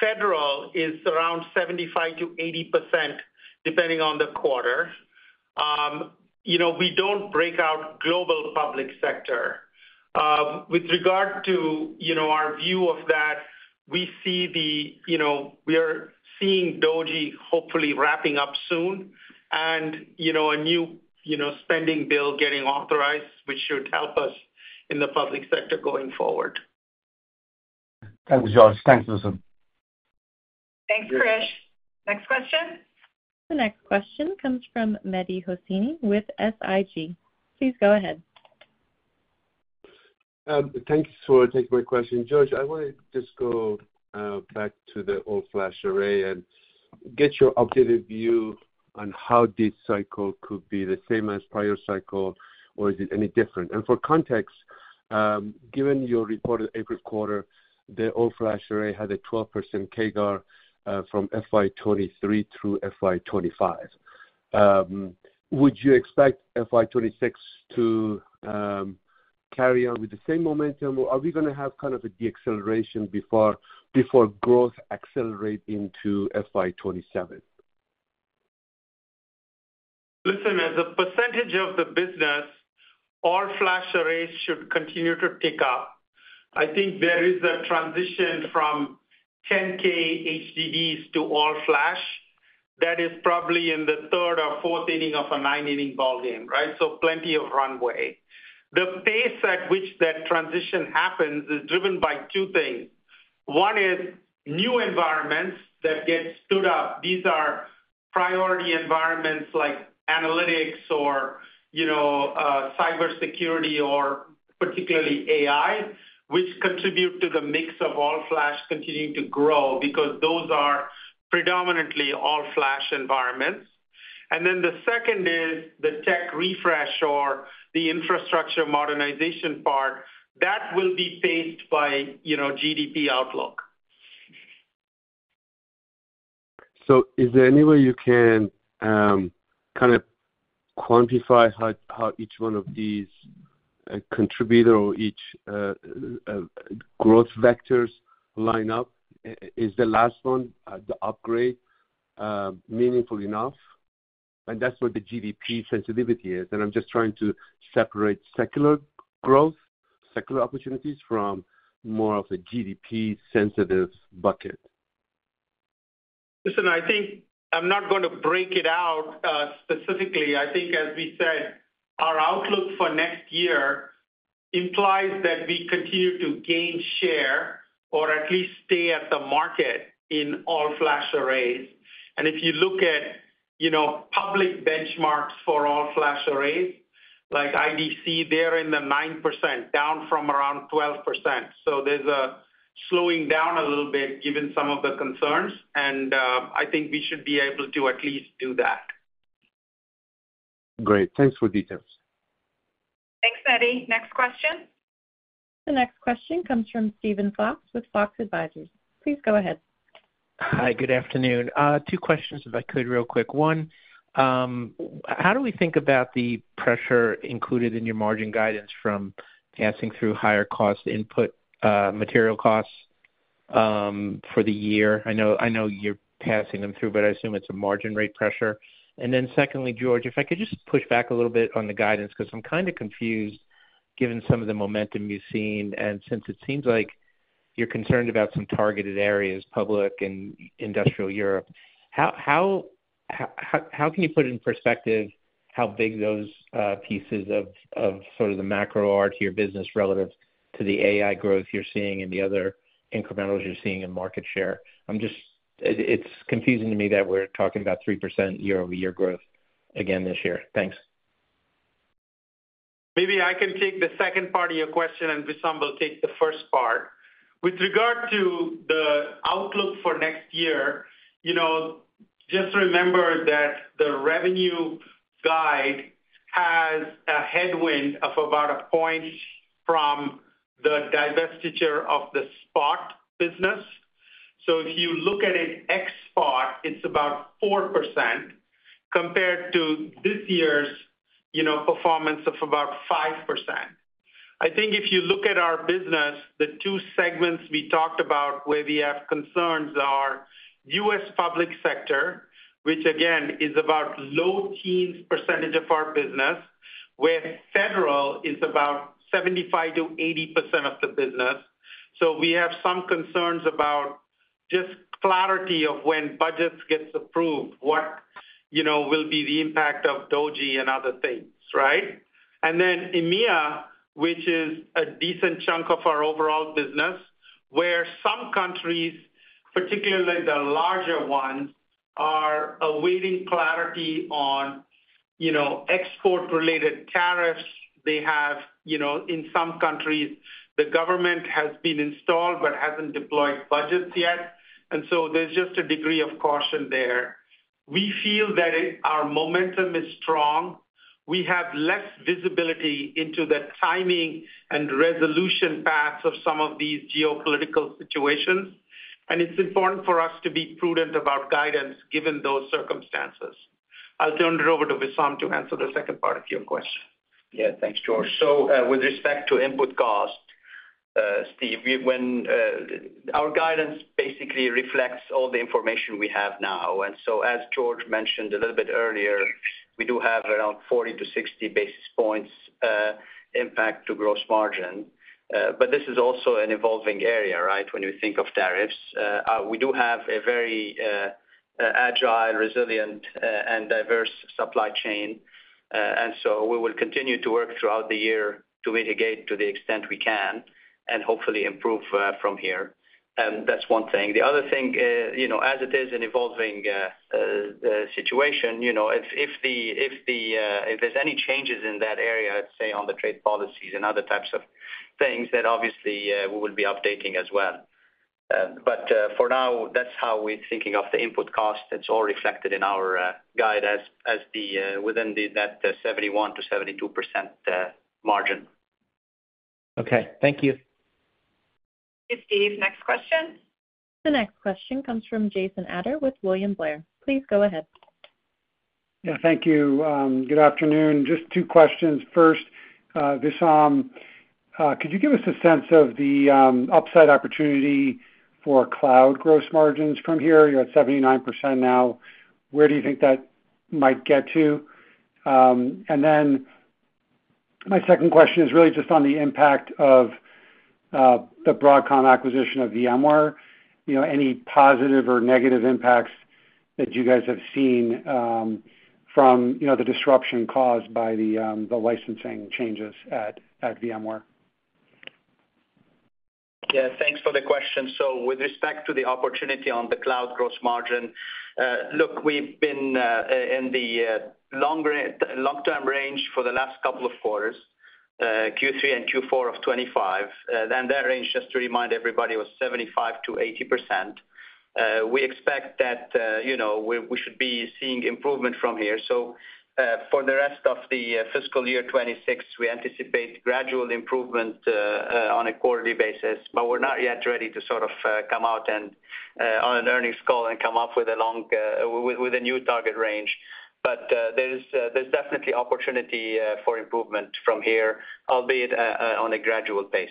federal is around 75%-80%, depending on the quarter. We do not break out global public sector. With regard to our view of that, we see that we are seeing DOGE hopefully wrapping up soon and a new spending bill getting authorized, which should help us in the public sector going forward. Thanks, George. Thanks, Wissam. Thanks, Chris. Next question. The next question comes from Mehdi Hosseini with SIG. Please go ahead. Thanks for taking my question. George, I want to just go back to the all-flash array and get your updated view on how this cycle could be the same as prior cycle, or is it any different? And for context, given your report of April quarter, the all-flash array had a 12% CAGR from FY 2023 through FY 2025. Would you expect FY 2026 to carry on with the same momentum, or are we going to have kind of a de-acceleration before growth accelerates into FY 2027? Listen, the percentage of the business, all-flash arrays should continue to tick up. I think there is a transition from 10K HDDs to all-flash. That is probably in the third or fourth inning of a nine-inning ballgame, right? So plenty of runway. The pace at which that transition happens is driven by two things. One is new environments that get stood up. These are priority environments like analytics or cybersecurity or particularly AI, which contribute to the mix of all-flash continuing to grow because those are predominantly all-flash environments. And then the second is the tech refresh or the infrastructure modernization part that will be paced by GDP outlook. Is there any way you can kind of quantify how each one of these contributor or each growth vectors line up? Is the last one, the upgrade, meaningful enough? That is where the GDP sensitivity is. I'm just trying to separate secular growth, secular opportunities from more of a GDP-sensitive bucket. Listen, I think I'm not going to break it out specifically. I think, as we said, our outlook for next year implies that we continue to gain share or at least stay at the market in all-flash arrays. If you look at public benchmarks for all-flash arrays like IDC, they're in the 9%, down from around 12%. There's a slowing down a little bit given some of the concerns, and I think we should be able to at least do that. Great. Thanks for details. Thanks, Mehdi. Next question. The next question comes from Steven Fox with Fox Advisors. Please go ahead. Hi. Good afternoon. Two questions, if I could, real quick. One, how do we think about the pressure included in your margin guidance from passing through higher cost input, material costs for the year? I know you're passing them through, but I assume it's a margin rate pressure. Secondly, George, if I could just push back a little bit on the guidance because I'm kind of confused given some of the momentum you've seen. Since it seems like you're concerned about some targeted areas, public and industrial Europe, how can you put it in perspective how big those pieces of sort of the macro are to your business relative to the AI growth you're seeing and the other incrementals you're seeing in market share? It's confusing to me that we're talking about 3% year-over-year growth again this year. Thanks. Maybe I can take the second part of your question, and Wissam will take the first part. With regard to the outlook for next year, just remember that the revenue guide has a headwind of about a point from the divestiture of the Spot by NetApp business. If you look at it ex-Spot, it is about 4% compared to this year's performance of about 5%. I think if you look at our business, the two segments we talked about where we have concerns are US public sector, which again is about low teens % of our business, where federal is about 75%-80% of the business. We have some concerns about just clarity of when budgets get approved, what will be the impact of DoD and other things, right? EMEA, which is a decent chunk of our overall business, where some countries, particularly the larger ones, are awaiting clarity on export-related tariffs. They have, in some countries, the government has been installed but has not deployed budgets yet. There is just a degree of caution there. We feel that our momentum is strong. We have less visibility into the timing and resolution paths of some of these geopolitical situations. It is important for us to be prudent about guidance given those circumstances. I will turn it over to Wissam to answer the second part of your question. Yeah. Thanks, George. With respect to input cost, Steve, our guidance basically reflects all the information we have now. As George mentioned a little bit earlier, we do have around 40-60 basis points impact to gross margin. This is also an evolving area, right, when you think of tariffs. We do have a very agile, resilient, and diverse supply chain. We will continue to work throughout the year to mitigate to the extent we can and hopefully improve from here. That is one thing. The other thing, as it is an evolving situation, if there are any changes in that area, let us say on the trade policies and other types of things, then obviously we will be updating as well. For now, that is how we are thinking of the input cost. It is all reflected in our guide within that 71%-72% margin. Okay. Thank you. Thank you, Steve. Next question. The next question comes from Jason Ader with William Blair. Please go ahead. Yeah. Thank you. Good afternoon. Just two questions. First, Wissam, could you give us a sense of the upside opportunity for cloud gross margins from here? You are at 79% now. Where do you think that might get to? Then my second question is really just on the impact of the Broadcom acquisition of VMware. Any positive or negative impacts that you guys have seen from the disruption caused by the licensing changes at VMware? Yeah. Thanks f-or the question. With respect to the opportunity on the cloud gross margin, look, we've been in the long-term range for the last couple of quarters, Q3 and Q4 of 2025. That range, just to remind everybody, was 75%-80%. We expect that we should be seeing improvement from here. For the rest of the fiscal year 2026, we anticipate gradual improvement on a quarterly basis, but we're not yet ready to sort of come out on an earnings call and come up with a new target range. There's definitely opportunity for improvement from here, albeit on a gradual pace.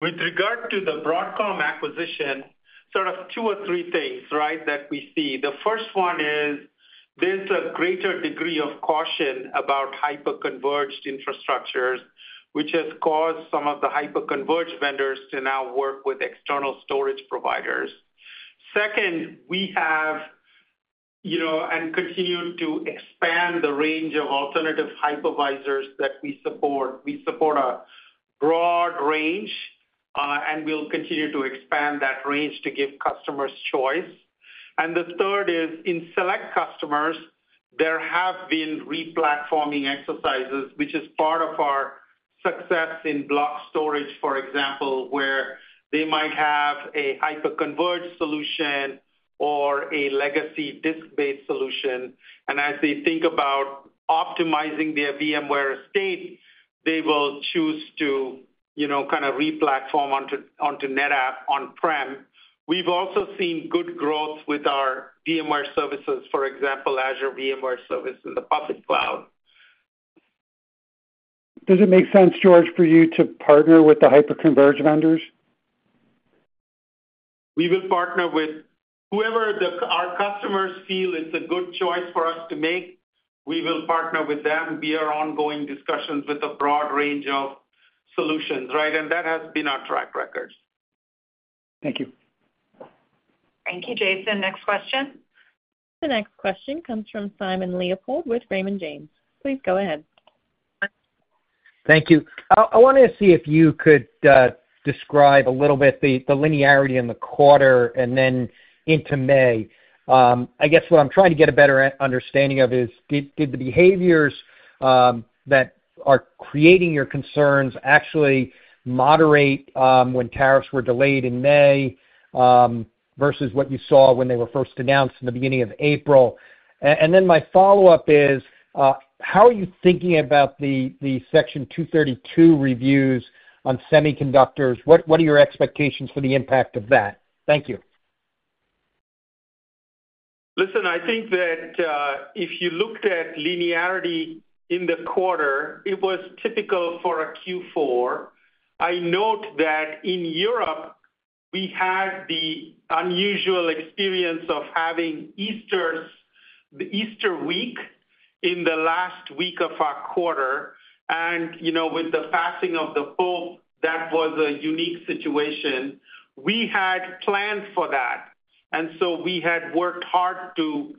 With regard to the Broadcom acquisition, sort of two or three things, right, that we see. The first one is there's a greater degree of caution about hyper-converged infrastructures, which has caused some of the hyper-converged vendors to now work with external storage providers. Second, we have and continue to expand the range of alternative hypervisors that we support. We support a broad range, and we'll continue to expand that range to give customers choice. The third is, in select customers, there have been replatforming exercises, which is part of our success in block storage, for example, where they might have a hyper-converged solution or a legacy disk-based solution. As they think about optimizing their VMware estate, they will choose to kind of replatform onto NetApp on-prem. We've also seen good growth with our VMware services, for example, Azure VMware Services, the public cloud. Does it make sense, George, for you to partner with the hyper-converged vendors? We will partner with whoever our customers feel it's a good choice for us to make. We will partner with them. We are ongoing discussions with a broad range of solutions, right? That has been our track record. Thank you. Thank you, Jason. Next question. The next question comes from Simon Leopold with Raymond James. Please go ahead. Thank you. I wanted to see if you could describe a little bit the linearity in the quarter and then into May. I guess what I'm trying to get a better understanding of is, did the behaviors that are creating your concerns actually moderate when tariffs were delayed in May versus what you saw when they were first announced in the beginning of April? Then my follow-up is, how are you thinking about the Section 232 reviews on semiconductors? What are your expectations for the impact of that? Thank you. Listen, I think that if you looked at linearity in the quarter, it was typical for a Q4. I note that in Europe, we had the unusual experience of having Easter week in the last week of our quarter. With the passing of the Pope, that was a unique situation. We had planned for that. We had worked hard to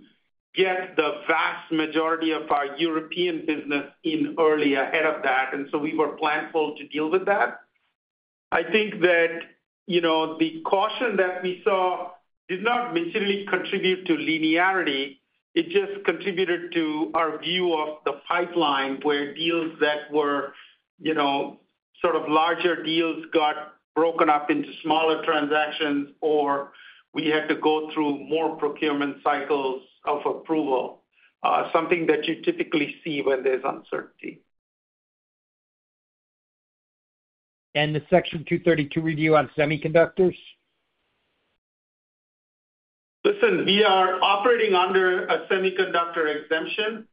get the vast majority of our European business in early ahead of that. We were planful to deal with that. I think that the caution that we saw did not materially contribute to linearity. It just contributed to our view of the pipeline where deals that were sort of larger deals got broken up into smaller transactions, or we had to go through more procurement cycles of approval, something that you typically see when there is uncertainty. The Section 232 review on semiconductors? Listen, we are operating under a semiconductor exemption.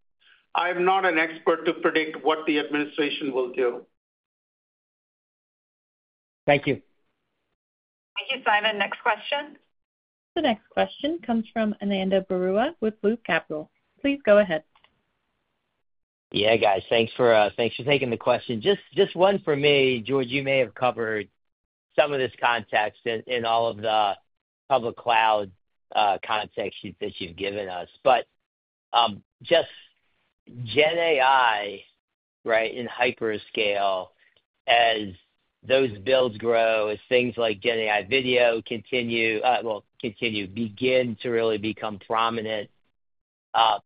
I am not an expert to predict what the administration will do. Thank you. Thank you, Simon. Next question. The next question comes from Ananda Berua with Blue Capital. Please go ahead. Yeah, guys. Thanks for taking the question. Just one for me, George. You may have covered some of this context in all of the public cloud context that you have given us. Just GenAI, right, in hyperscale, as those builds grow, as things like GenAI video continue, begin to really become prominent, how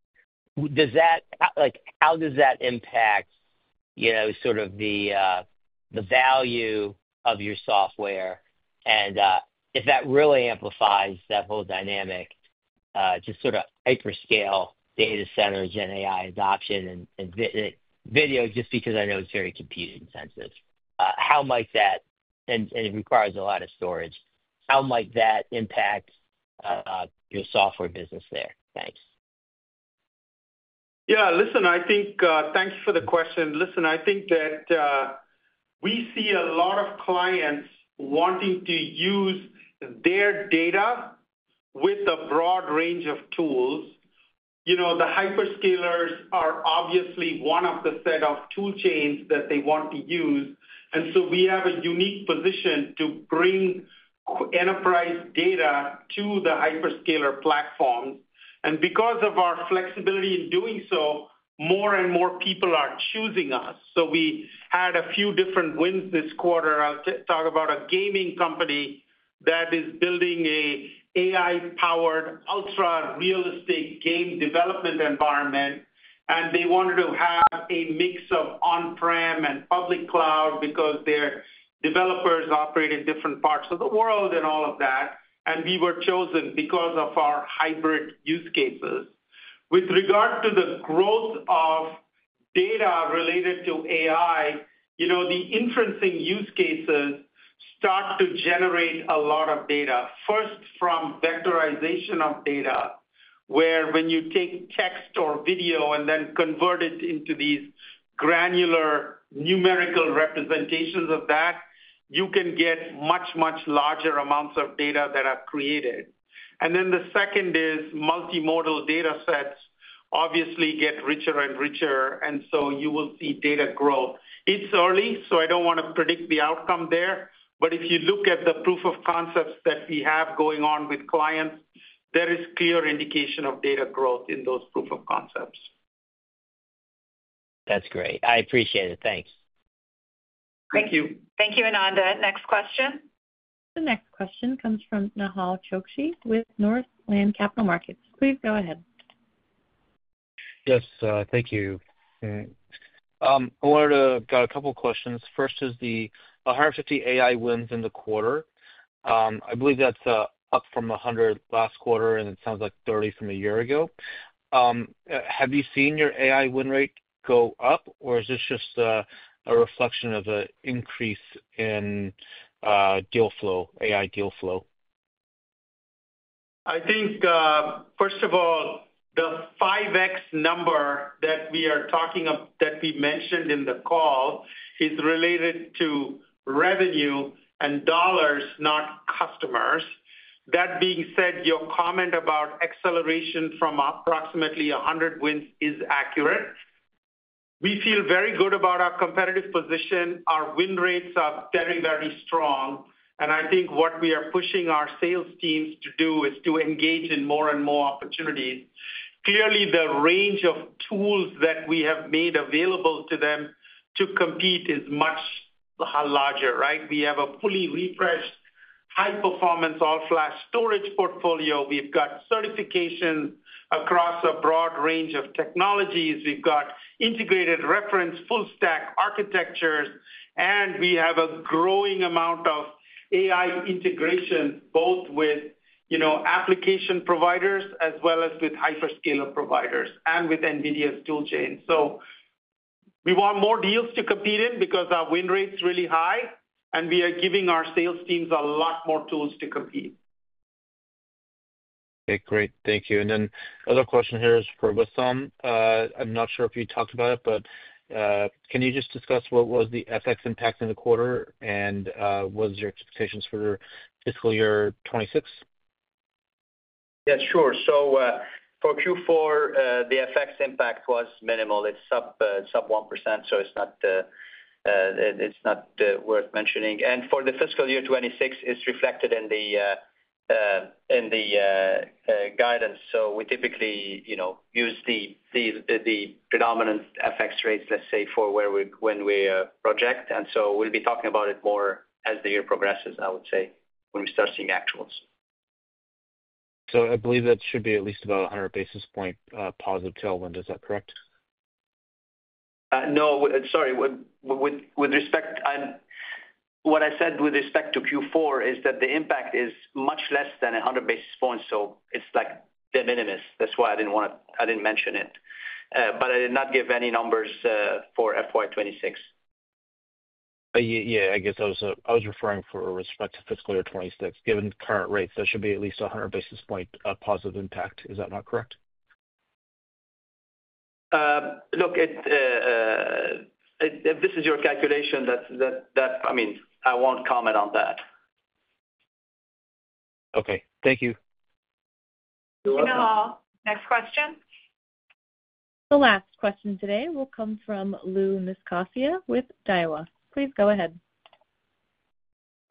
does that impact sort of the value of your software? If that really amplifies that whole dynamic, just sort of hyperscale data center GenAI adoption and video, just because I know it is very compute-intensive, how might that—and it requires a lot of storage—how might that impact your software business there? Thanks. Yeah. Listen, I think—thank you for the question. Listen, I think that we see a lot of clients wanting to use their data with a broad range of tools. The hyperscalers are obviously one of the set of toolchains that they want to use. We have a unique position to bring enterprise data to the hyperscaler platforms. Because of our flexibility in doing so, more and more people are choosing us. We had a few different wins this quarter. I'll talk about a gaming company that is building an AI-powered ultra-realistic game development environment. They wanted to have a mix of on-prem and public cloud because their developers operate in different parts of the world and all of that. We were chosen because of our hybrid use cases. With regard to the growth of data related to AI, the inferencing use cases start to generate a lot of data, first from vectorization of data, where when you take text or video and then convert it into these granular numerical representations of that, you can get much, much larger amounts of data that are created. The second is multimodal data sets, obviously, get richer and richer. You will see data growth. It's early, so I don't want to predict the outcome there. If you look at the proof of concepts that we have going on with clients, there is clear indication of data growth in those proof of concepts. That's great. I appreciate it. Thanks. Thank you. Thank you, Ananda. Next question. The next question comes from Nehal Chokshi with Northland Capital Markets. Please go ahead. Yes. Thank you. I got a couple of questions. First is the 150 AI wins in the quarter. I believe that's up from 100 last quarter, and it sounds like 30 from a year ago. Have you seen your AI win rate go up, or is this just a reflection of an increase in AI deal flow? I think, first of all, the 5X number that we are talking of that we mentioned in the call is related to revenue and dollars, not customers. That being said, your comment about acceleration from approximately 100 wins is accurate. We feel very good about our competitive position. Our win rates are very, very strong. I think what we are pushing our sales teams to do is to engage in more and more opportunities. Clearly, the range of tools that we have made available to them to compete is much larger, right? We have a fully refreshed high-performance all-flash storage portfolio. We've got certifications across a broad range of technologies. We've got integrated reference full-stack architectures. We have a growing amount of AI integration, both with application providers as well as with hyperscaler providers and with NVIDIA's toolchain. We want more deals to compete in because our win rate's really high, and we are giving our sales teams a lot more tools to compete. Okay. Great. Thank you. Another question here is for Wissam. I'm not sure if you talked about it, but can you just discuss what was the FX impact in the quarter and what was your expectations for fiscal year 2026? Yeah. Sure. For Q4, the FX impact was minimal. It's sub 1%, so it's not worth mentioning. For the fiscal year 2026, it's reflected in the guidance. We typically use the predominant FX rates, let's say, for when we project. We will be talking about it more as the year progresses, I would say, when we start seeing actuals. I believe that should be at least about a 100 basis point positive tailwind. Is that correct? No. Sorry. What I said with respect to Q4 is that the impact is much less than 100 basis points, so it's like de minimis. That's why I didn't want to—I didn't mention it. But I did not give any numbers for FY 2026. Yeah. I guess I was referring for respect to fiscal year 2026. Given current rates, there should be at least a 100 basis point positive impact. Is that not correct? Look, if this is your calculation, I mean, I won't comment on that.. Okay. Thank you. You're welcome. Next question. The last question today will come from Louis Miscioscia with Daiwa. Please go ahead.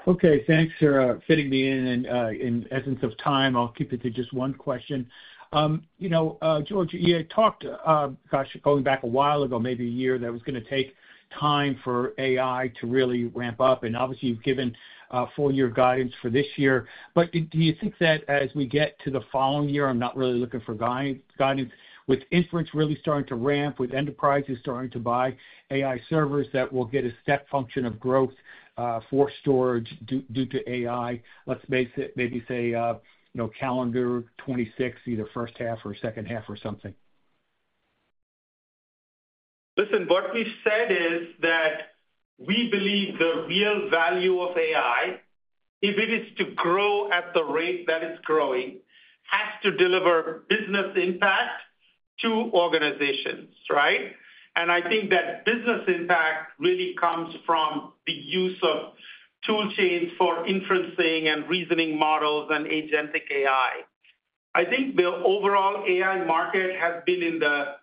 Okay. Thanks for fitting me in. And in essence of time, I'll keep it to just one question. George, you had talked, gosh, going back a while ago, maybe a year, that it was going to take time for AI to really ramp up. And obviously, you've given four-year guidance for this year. Do you think that as we get to the following year, I am not really looking for guidance, with inference really starting to ramp, with enterprises starting to buy AI servers, that we will get a step function of growth for storage due to AI, let's maybe say calendar 2026, either first half or second half or something? Listen, what we have said is that we believe the real value of AI, if it is to grow at the rate that it is growing, has to deliver business impact to organizations, right? I think that business impact really comes from the use of toolchains for inferencing and reasoning models and agentic AI. I think the overall AI market has been in the,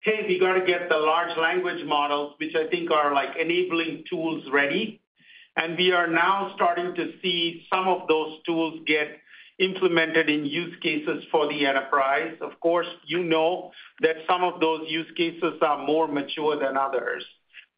"Hey, we got to get the large language models," which I think are enabling tools ready. We are now starting to see some of those tools get implemented in use cases for the enterprise. Of course, you know that some of those use cases are more mature than others.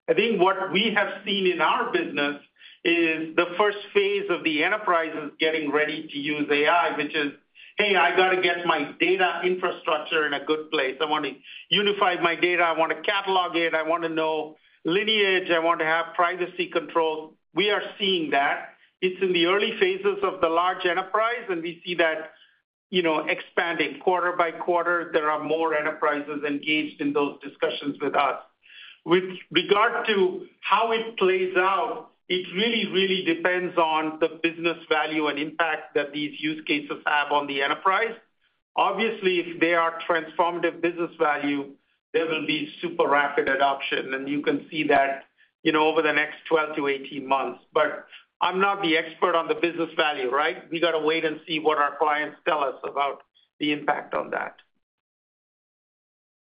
I think what we have seen in our business is the first phase of the enterprises getting ready to use AI, which is, "Hey, I got to get my data infrastructure in a good place. I want to unify my data. I want to catalog it. I want to know lineage. I want to have privacy controls." We are seeing that. It's in the early phases of the large enterprise, and we see that expanding quarter by quarter. There are more enterprises engaged in those discussions with us. With regard to how it plays out, it really, really depends on the business value and impact that these use cases have on the enterprise. Obviously, if they are transformative business value, there will be super rapid adoption. You can see that over the next 12 to 18 months. I'm not the expert on the business value, right? We got to wait and see what our clients tell us about the impact on that.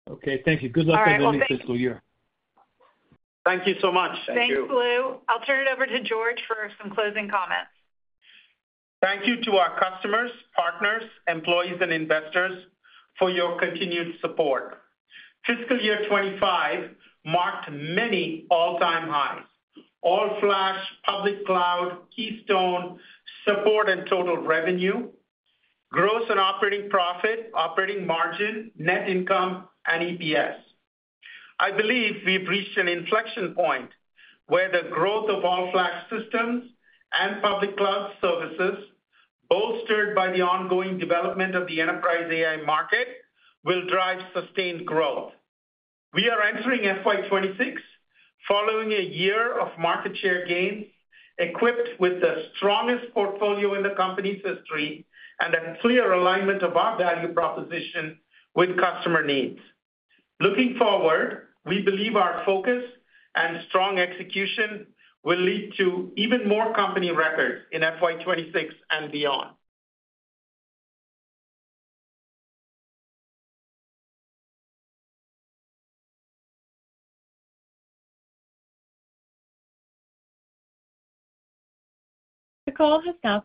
Okay. Thank you. Good luck with the new fiscal year. Thank you so much. Thanks, Lou. I'll turn it over to George for some closing comments. Thank you to our customers, partners, employees, and investors for your continued support. Fiscal year 2025 marked many all-time highs: all-flash, public cloud, Keystone, support, and total revenue, gross and operating profit, operating margin, net income, and EPS. I believe we've reached an inflection point where the growth of all-flash systems and public cloud services, bolstered by the ongoing development of the enterprise AI market, will drive sustained growth. We are entering FY 2026 following a year of market share gains, equipped with the strongest portfolio in the company's history and a clear alignment of our value proposition with customer needs. Looking forward, we believe our focus and strong execution will lead to even more company records in FY 2026 and beyond. The call has now ended.